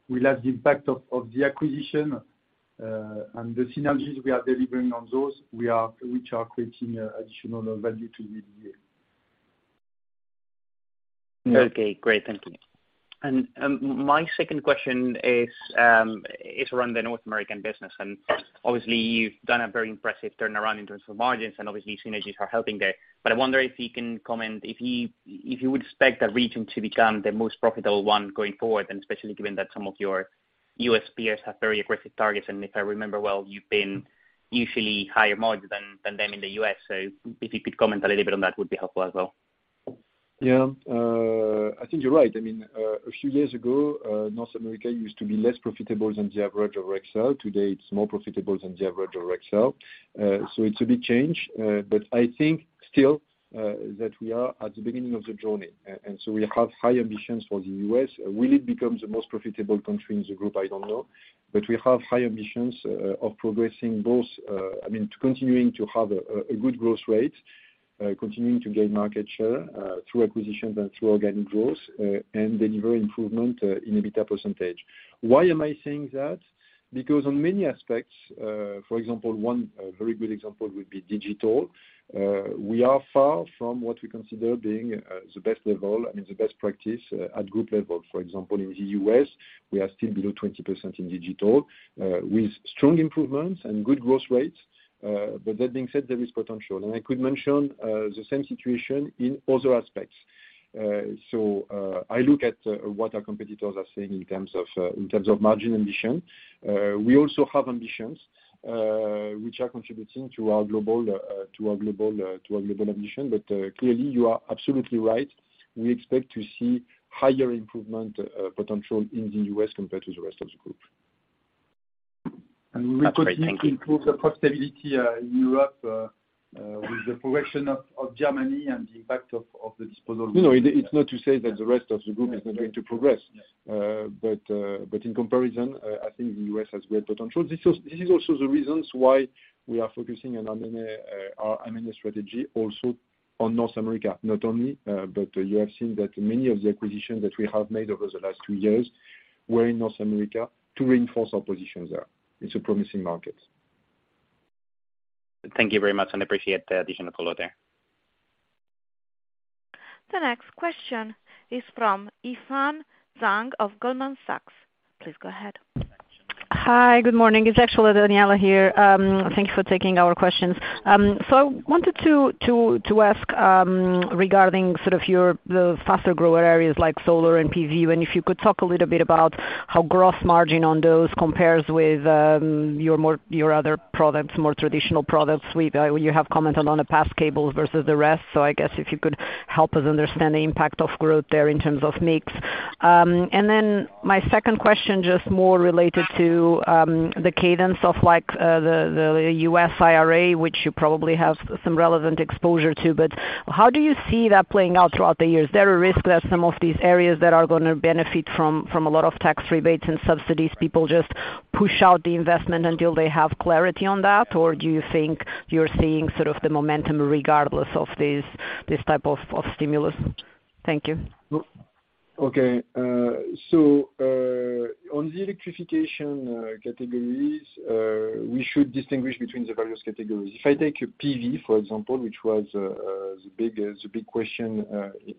we'll have the impact of the acquisition and the synergies we are delivering on those which are creating additional value to EBITDA. Okay. Great. Thank you. My second question is around the North American business. Obviously you've done a very impressive turnaround in terms of margins, and obviously synergies are helping there. I wonder if you can comment if you would expect that region to become the most profitable one going forward, and especially given that some of your U.S. peers have very aggressive targets. If I remember well, you've been usually higher margin than them in the U.S. If you could comment a little bit on that would be helpful as well. Yeah. I think you're right. I mean, a few years ago, North America used to be less profitable than the average of Rexel. Today, it's more profitable than the average of Rexel. It's a big change. I think still, that we are at the beginning of the journey. We have high ambitions for the U.S.. Will it become the most profitable country in the group? I don't know. We have high ambitions, of progressing both, I mean, continuing to have a good growth rate, continuing to gain market share, through acquisitions and through organic growth, and deliver improvement, in EBITDA percentage. Why am I saying that? On many aspects, for example, one, very good example would be digital. We are far from what we consider being, the best level, I mean, the best practice, at group level. For example, in the U.S., we are still below 20% in digital, with strong improvements and good growth rates. That being said, there is potential. I could mention, the same situation in other aspects. I look at what our competitors are saying in terms of, in terms of margin ambition. We also have ambitions, which are contributing to our global ambition. Clearly you are absolutely right. We expect to see higher improvement, potential in the U.S. compared to the rest of the group. We will continue to improve the profitability in Europe with the progression of Germany and the impact of the disposals. No, it's not to say that the rest of the group is not going to progress. Yes. In comparison, I think the U.S. has great potential. This is also the reasons why we are focusing on M&A, our M&A strategy also on North America, not only, but you have seen that many of the acquisitions that we have made over the last two years were in North America to reinforce our positions there. It's a promising market. Thank you very much and appreciate the additional color there. The next question is from Ajay Patel of Goldman Sachs. Please go ahead. Hi, good morning. It's actually Daniella here. Thank you for taking our questions. I wanted to ask regarding sort of your, the faster grower areas like solar and PV, and if you could talk a little bit about how gross margin on those compares with your other products, more traditional product suite. You have commented on the past cables versus the rest. I guess if you could help us understand the impact of growth there in terms of mix. My second question, just more related to the cadence of like the U.S. IRA, which you probably have some relevant exposure to, but how do you see that playing out throughout the years? Is there a risk that some of these areas that are gonna benefit from a lot of tax rebates and subsidies, people just push out the investment until they have clarity on that? Or do you think you're seeing sort of the momentum regardless of this type of stimulus? Thank you. Okay. On the electrification categories, we should distinguish between the various categories. If I take a PV, for example, which was the big question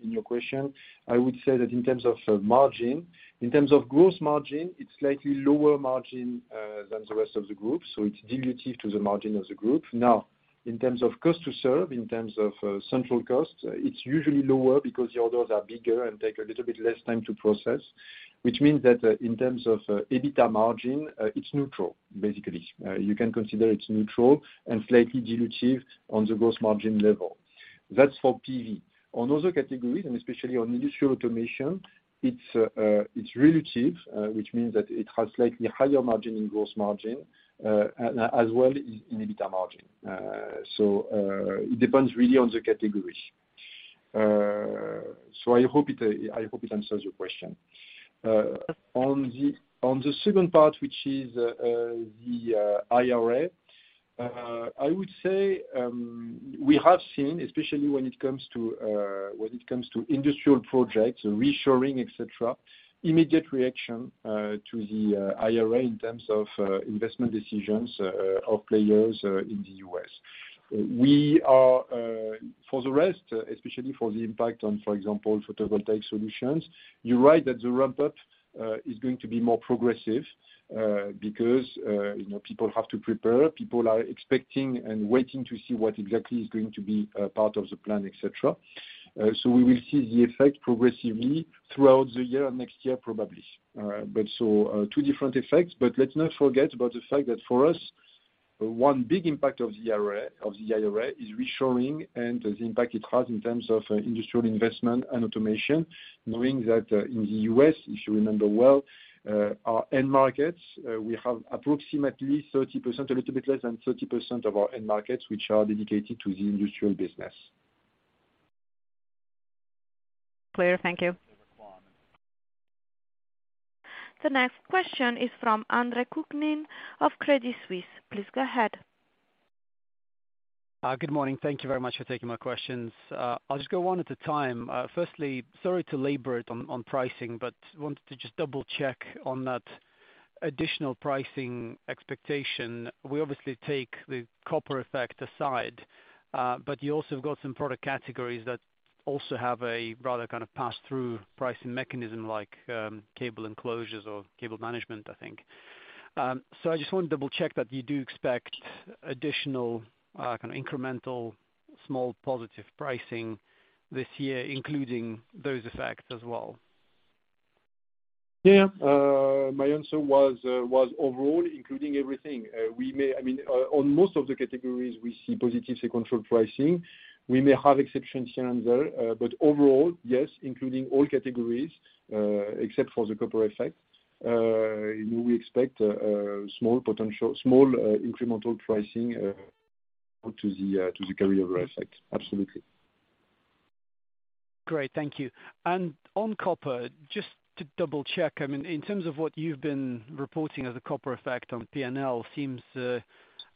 in your question, I would say that in terms of margin, in terms of gross margin, it's slightly lower margin than the rest of the group, so it's dilutive to the margin of the group. Now, in terms of cost to serve, in terms of central cost, it's usually lower because the orders are bigger and take a little bit less time to process, which means that in terms of EBITDA margin, it's neutral, basically. You can consider it's neutral and slightly dilutive on the gross margin level. That's for PV. On other categories, and especially on industrial automation, it's relative, which means that it has slightly higher margin in gross margin, as well in EBITDA margin. It depends really on the category. I hope it answers your question. On the second part, which is the IRA, I would say, we have seen, especially when it comes to when it comes to industrial projects, reshoring, et cetera, immediate reaction to the IRA in terms of investment decisions of players in the U.S.. We are, for the rest, especially for the impact on, for example, photovoltaic solutions, you're right that the ramp-up is going to be more progressive, because, you know, people have to prepare, people are expecting and waiting to see what exactly is going to be part of the plan, et cetera. We will see the effect progressively throughout the year and next year probably. Two different effects, but let's not forget about the fact that for us, one big impact of the IRA is reshoring and the impact it has in terms of industrial investment and automation, knowing that, in the U.S., if you remember well, our end markets, we have approximately 30%, a little bit less than 30% of our end markets, which are dedicated to the industrial business. Clear. Thank you. The next question is from Andre Kukhnin of Credit Suisse. Please go ahead. Good morning. Thank you very much for taking my questions. I'll just go one at a time. Firstly, sorry to labor it on pricing, but wanted to just double check on that additional pricing expectation. We obviously take the copper effect aside, but you also have got some product categories that also have a rather kind of pass-through pricing mechanism like cable enclosures or Cable Management, I think. I just want to double check that you do expect additional, kind of incremental small positive pricing this year, including those effects as well. Yeah. My answer was overall, including everything. I mean, on most of the categories we see positive control pricing. We may have exceptions here and there. Overall, yes, including all categories, except for the copper effect, you know, we expect a small potential, small, incremental pricing to the carry over effect. Absolutely. Great. Thank you. On copper, just to double check, I mean, in terms of what you've been reporting as a copper effect on PNL seems a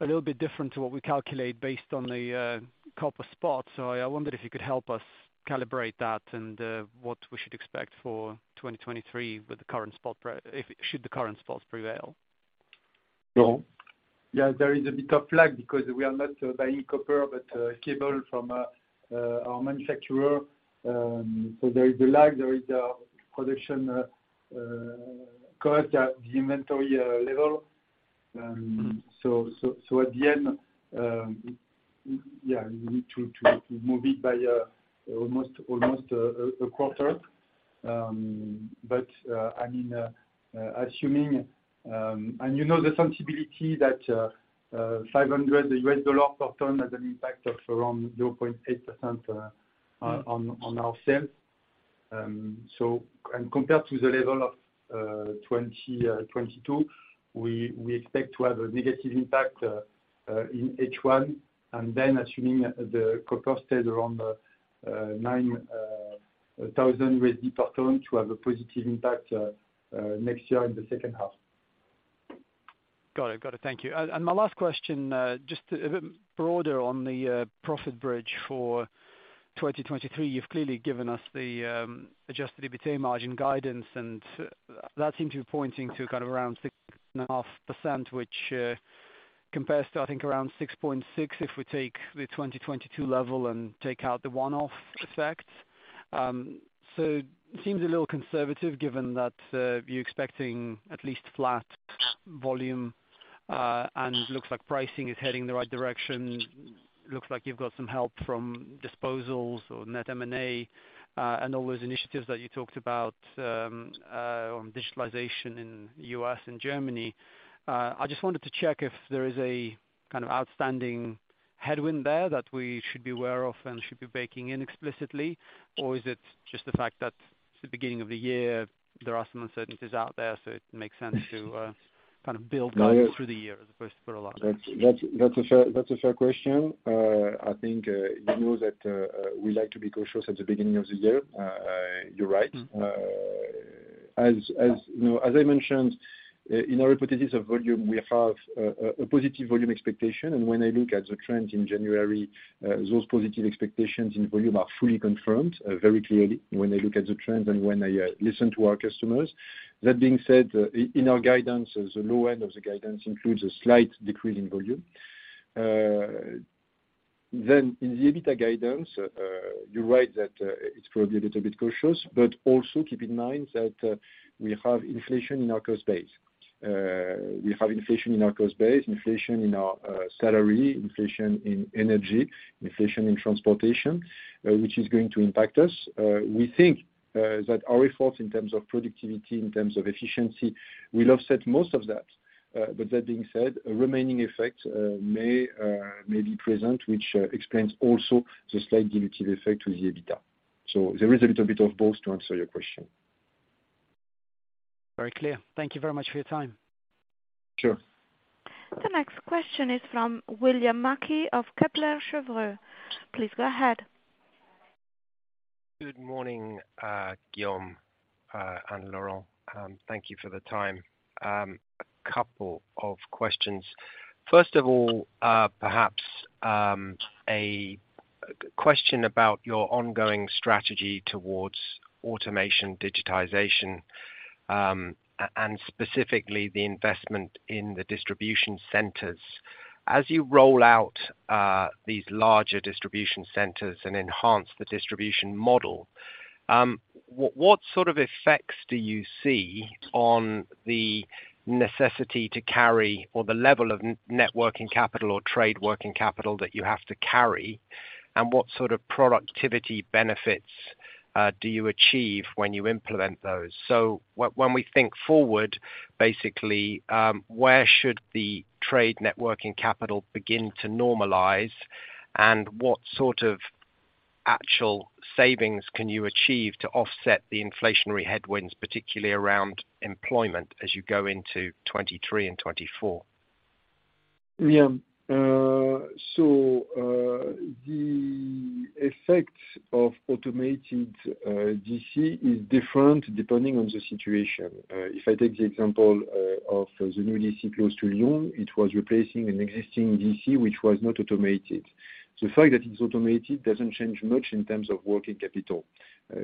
little bit different to what we calculate based on the copper spot. I wonder if you could help us calibrate that and what we should expect for 2023 with the current spot should the current spots prevail. There is a bit of lag because we are not buying copper, but cable from our manufacturer. There is a lag. There is a production cost at the inventory level. At the end, we need to move it by almost a quarter. I mean, assuming, and you know the sensibility that $500 per ton has an impact of around 0.8% on our sales. Compared to the level of 2022, we expect to have a negative impact in H1, assuming the cost stayed around $9,000 to have a positive impact next year in the second half. Got it. Thank you. My last question, just broader on the profit bridge for 2023. You've clearly given us the Adjusted EBITDA margin guidance, and that seems to be pointing to kind of around 6.5%, which compares to, I think, around 6.6 if we take the 2022 level and take out the one-off effects. Seems a little conservative given that you're expecting at least flat volume, and looks like pricing is heading the right direction. Looks like you've got some help from disposals or net M&A, and all those initiatives that you talked about, on digitalization in U.S. and Germany. I just wanted to check if there is a kind of outstanding headwind there that we should be aware of and should be baking in explicitly. Is it just the fact that it's the beginning of the year, there are some uncertainties out there, so it makes sense to kind of build guidance through the year as opposed to? That's a fair question. I think, you know that, we like to be cautious at the beginning of the year. You're right. Mm-hmm. As, you know, as I mentioned, in our hypothesis of volume, we have a positive volume expectation. When I look at the trend in January, those positive expectations in volume are fully confirmed, very clearly when I look at the trends and when I listen to our customers. That being said, in our guidance, the low end of the guidance includes a slight decrease in volume. In the EBITDA guidance, you're right that it's probably a little bit cautious, but also keep in mind that we have inflation in our cost base. We have inflation in our cost base, inflation in our salary, inflation in energy, inflation in transportation, which is going to impact us. We think that our efforts in terms of productivity, in terms of efficiency will offset most of that. But that being said, a remaining effect may be present, which explains also the slight dilutive effect to the EBITDA. There is a little bit of both to answer your question. Very clear. Thank you very much for your time. Sure. The next question is from William Mackie of Kepler Cheuvreux. Please go ahead. Good morning, Guillaume and Laurent. Thank you for the time. A couple of questions. First of all, perhaps a question about your ongoing strategy towards automation, digitization, and specifically the investment in the distribution centers. As you roll out these larger distribution centers and enhance the distribution model, what sort of effects do you see on the necessity to carry, or the level of net working capital or trade working capital that you have to carry? What sort of productivity benefits do you achieve when you implement those? When we think forward, basically, where should the trade net working capital begin to normalize? What sort of actual savings can you achieve to offset the inflationary headwinds, particularly around employment as you go into 2023 and 2024? William, the effect of automated DC is different depending on the situation. If I take the example of the new DC close to Lyon, it was replacing an existing DC which was not automated. The fact that it's automated doesn't change much in terms of working capital.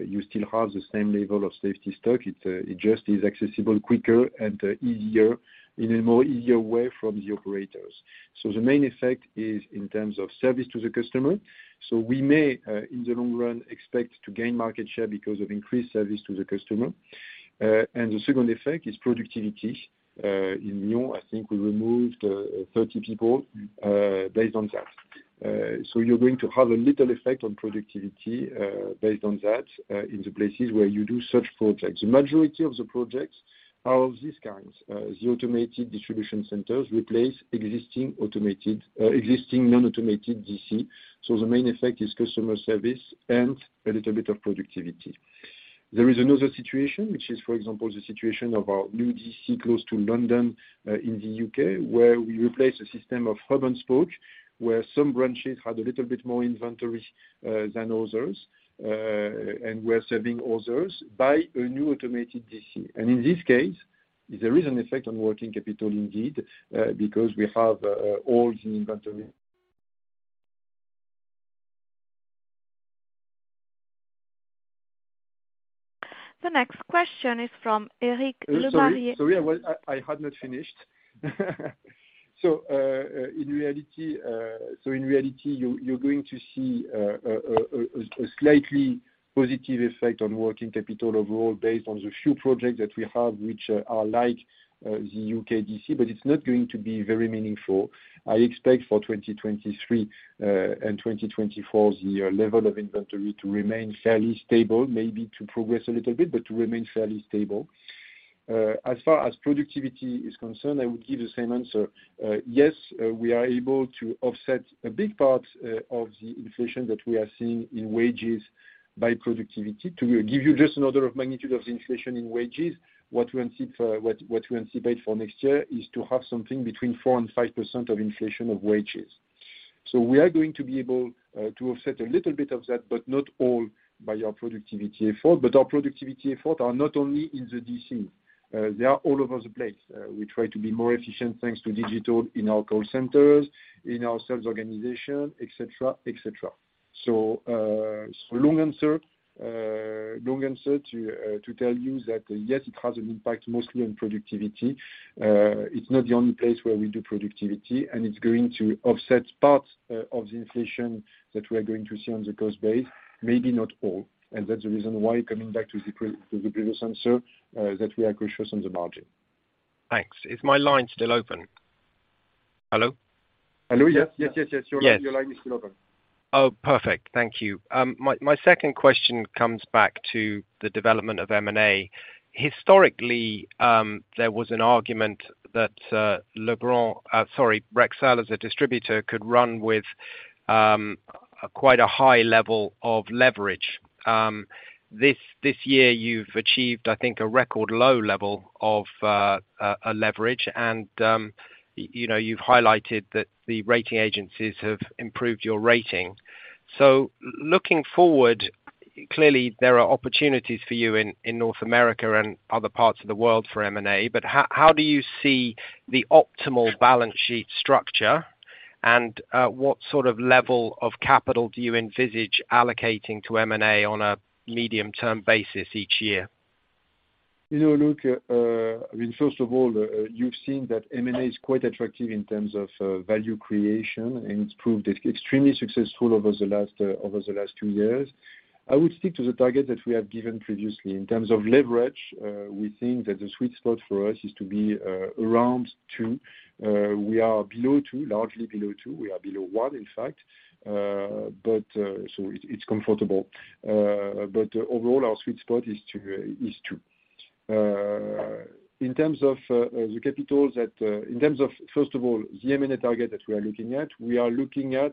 You still have the same level of safety stock. It just is accessible quicker and easier in a more easier way from the operators. The main effect is in terms of service to the customer. We may, in the long run, expect to gain market share because of increased service to the customer. The second effect is productivity. In Lyon, I think we removed 30 people based on that. You're going to have a little effect on productivity, based on that, in the places where you do such projects. The majority of the projects are of these kinds. The automated distribution centers replace existing automated, existing non-automated DC. The main effect is customer service and a little bit of productivity. There is another situation, which is, for example, the situation of our new DC close to London, in the U.K., where we replace a system of hub and spoke, where some branches had a little bit more inventory than others, and we're serving others by a new automated DC. In this case, there is an effect on working capital indeed, because we have all the inventory. The next question is from Eric Lemarié. Sorry, I had not finished. In reality, you're going to see a slightly positive effect on working capital overall based on the few projects that we have which are like the U.K. DC, but it's not going to be very meaningful. I expect for 2023 and 2024, the level of inventory to remain fairly stable, maybe to progress a little bit, but to remain fairly stable. As far as productivity is concerned, I would give the same answer. Yes, we are able to offset a big part of the inflation that we are seeing in wages by productivity. To give you just an order of magnitude of the inflation in wages, what we anticipate for next year is to have something between 4% and 5% of inflation of wages. We are going to be able to offset a little bit of that, but not all by our productivity effort. Our productivity effort are not only in the DC, they are all over the place. We try to be more efficient, thanks to digital in our call centers, in our sales organization, et cetera, et cetera. Long answer, long answer to tell you that, yes, it has an impact mostly on productivity. It's not the only place where we do productivity, and it's going to offset parts of the inflation that we are going to see on the cost base, maybe not all. That's the reason why coming back to the previous answer, that we are cautious on the margin. Thanks. Is my line still open? Hello? Hello. Yes, yes, yes. Yes. Your line is still open. Perfect. Thank you. My second question comes back to the development of M&A. Historically, there was an argument that Legrand, sorry, Rexel as a distributor could run with quite a high level of a leverage. This year you've achieved, I think, a record low level of a leverage and, you know, you've highlighted that the rating agencies have improved your rating. Looking forward, clearly there are opportunities for you in North America and other parts of the world for M&A, but how do you see the optimal balance sheet structure? What sort of level of capital do you envisage allocating to M&A on a medium-term basis each year? You know, look, I mean, first of all, you've seen that M&A is quite attractive in terms of value creation, and it's proved extremely successful over the last two years. I would stick to the target that we have given previously. In terms of leverage, we think that the sweet spot for us is to be around two. We are below two, largely below two. We are below 1, in fact. So it's comfortable. Overall our sweet spot is two. In terms of, first of all, the M&A target that we are looking at, we are looking at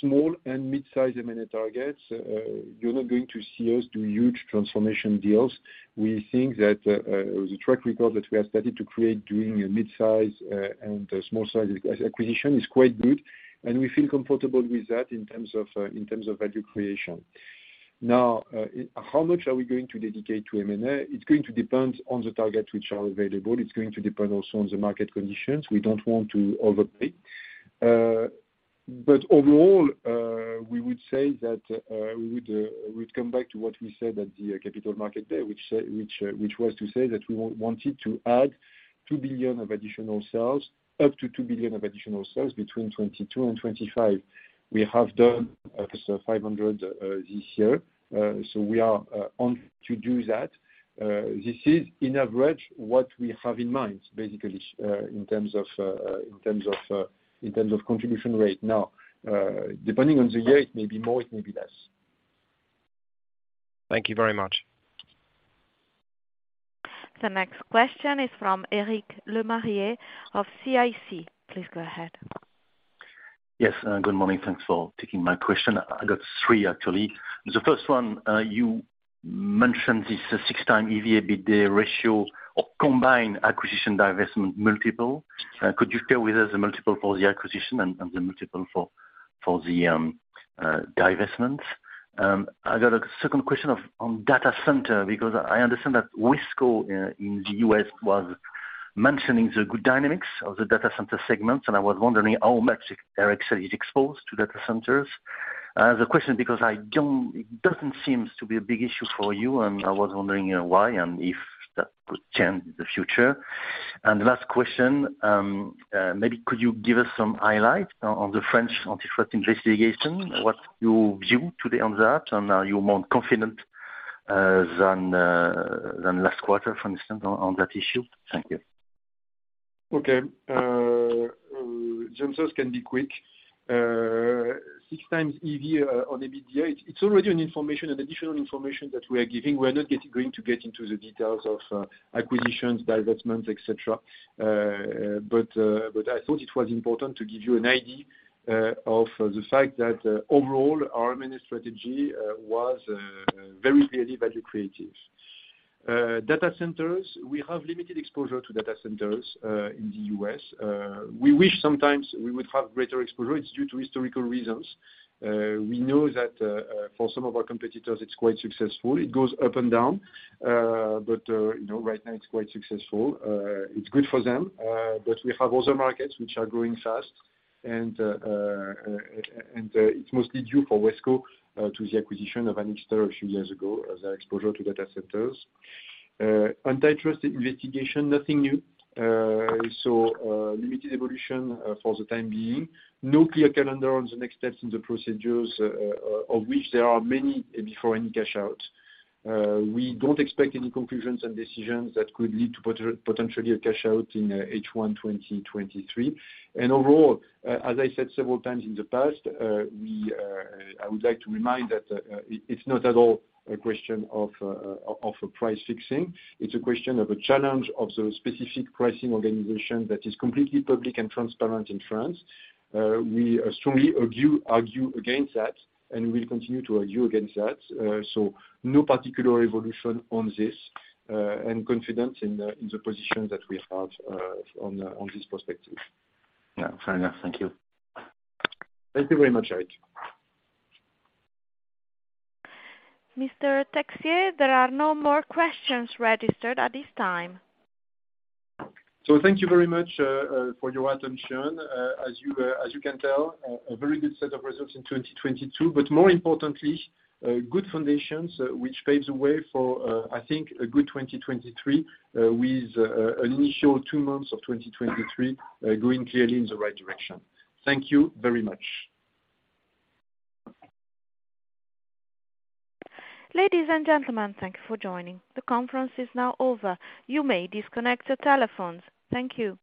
small and midsize M&A targets. You're not going to see us do huge transformation deals. We think that the track record that we have started to create doing a midsize and a small size acquisition is quite good, and we feel comfortable with that in terms of in terms of value creation. Now, how much are we going to dedicate to M&A? It's going to depend on the targets which are available. It's going to depend also on the market conditions. We don't want to overpay. Overall, we would say that we would, we'd come back to what we said at the Capital Markets Day, which was to say that we wanted to add 2 billion of additional sales, up to 2 billion of additional sales between 2022 and 2025. We have done 500 this year. We are on to do that. this is in average what we have in mind, basically, in terms of contribution rate. Depending on the year, it may be more, it may be less. Thank you very much. The next question is from Eric Lemarié of CIC. Please go ahead. Yes. Good morning. Thanks for taking my question. I've got three actually. The first one, you mentioned this 6x EV on EBITDA ratio or combined acquisition divestment multiple. Could you share with us the multiple for the acquisition and the multiple for the divestment? I got a second question on data center because I understand that Wesco, in the U.S. was mentioning the good dynamics of the data center segments, and I was wondering how much Rexel is exposed to data centers. The question because it doesn't seems to be a big issue for you, and I was wondering why and if that could change the future. Last question, maybe could you give us some highlight on the French antitrust investigation? What you view today on that, are you more confident than last quarter, for instance, on that issue? Thank you. Okay. The answers can be quick. Six times EV on EBITDA, it's already an information, an additional information that we are giving. We're not going to get into the details of acquisitions, divestments, et cetera. I thought it was important to give you an idea of the fact that overall our M&A strategy was very clearly value creative. Data centers, we have limited exposure to data centers in the U.S. We wish sometimes we would have greater exposure. It's due to historical reasons. We know that for some of our competitors, it's quite successful. It goes up and down. You know, right now it's quite successful. It's good for them. We have other markets which are growing fast and it's mostly due for Wesco to the acquisition of Anixter a few years ago as our exposure to data centers. Antitrust investigation, nothing new. Limited evolution for the time being. No clear calendar on the next steps in the procedures, of which there are many before any cash out. We don't expect any conclusions and decisions that could lead to potentially a cash out in H1 2023. Overall, as I said several times in the past, we, I would like to remind that it's not at all a question of a price fixing. It's a question of a challenge of the specific pricing organization that is completely public and transparent in France. We strongly argue against that, and we'll continue to argue against that. No particular evolution on this, and confidence in the position that we have on this perspective. Yeah. Fair enough. Thank you. Thank you very much, Eric. Mr. Texier, there are no more questions registered at this time. Thank you very much for your attention. As you can tell, a very good set of results in 2022, but more importantly, good foundations which paves the way for I think a good 2023, with an initial two months of 2023, going clearly in the right direction. Thank you very much. Ladies and gentlemen, thank you for joining. The conference is now over. You may disconnect your telephones. Thank you.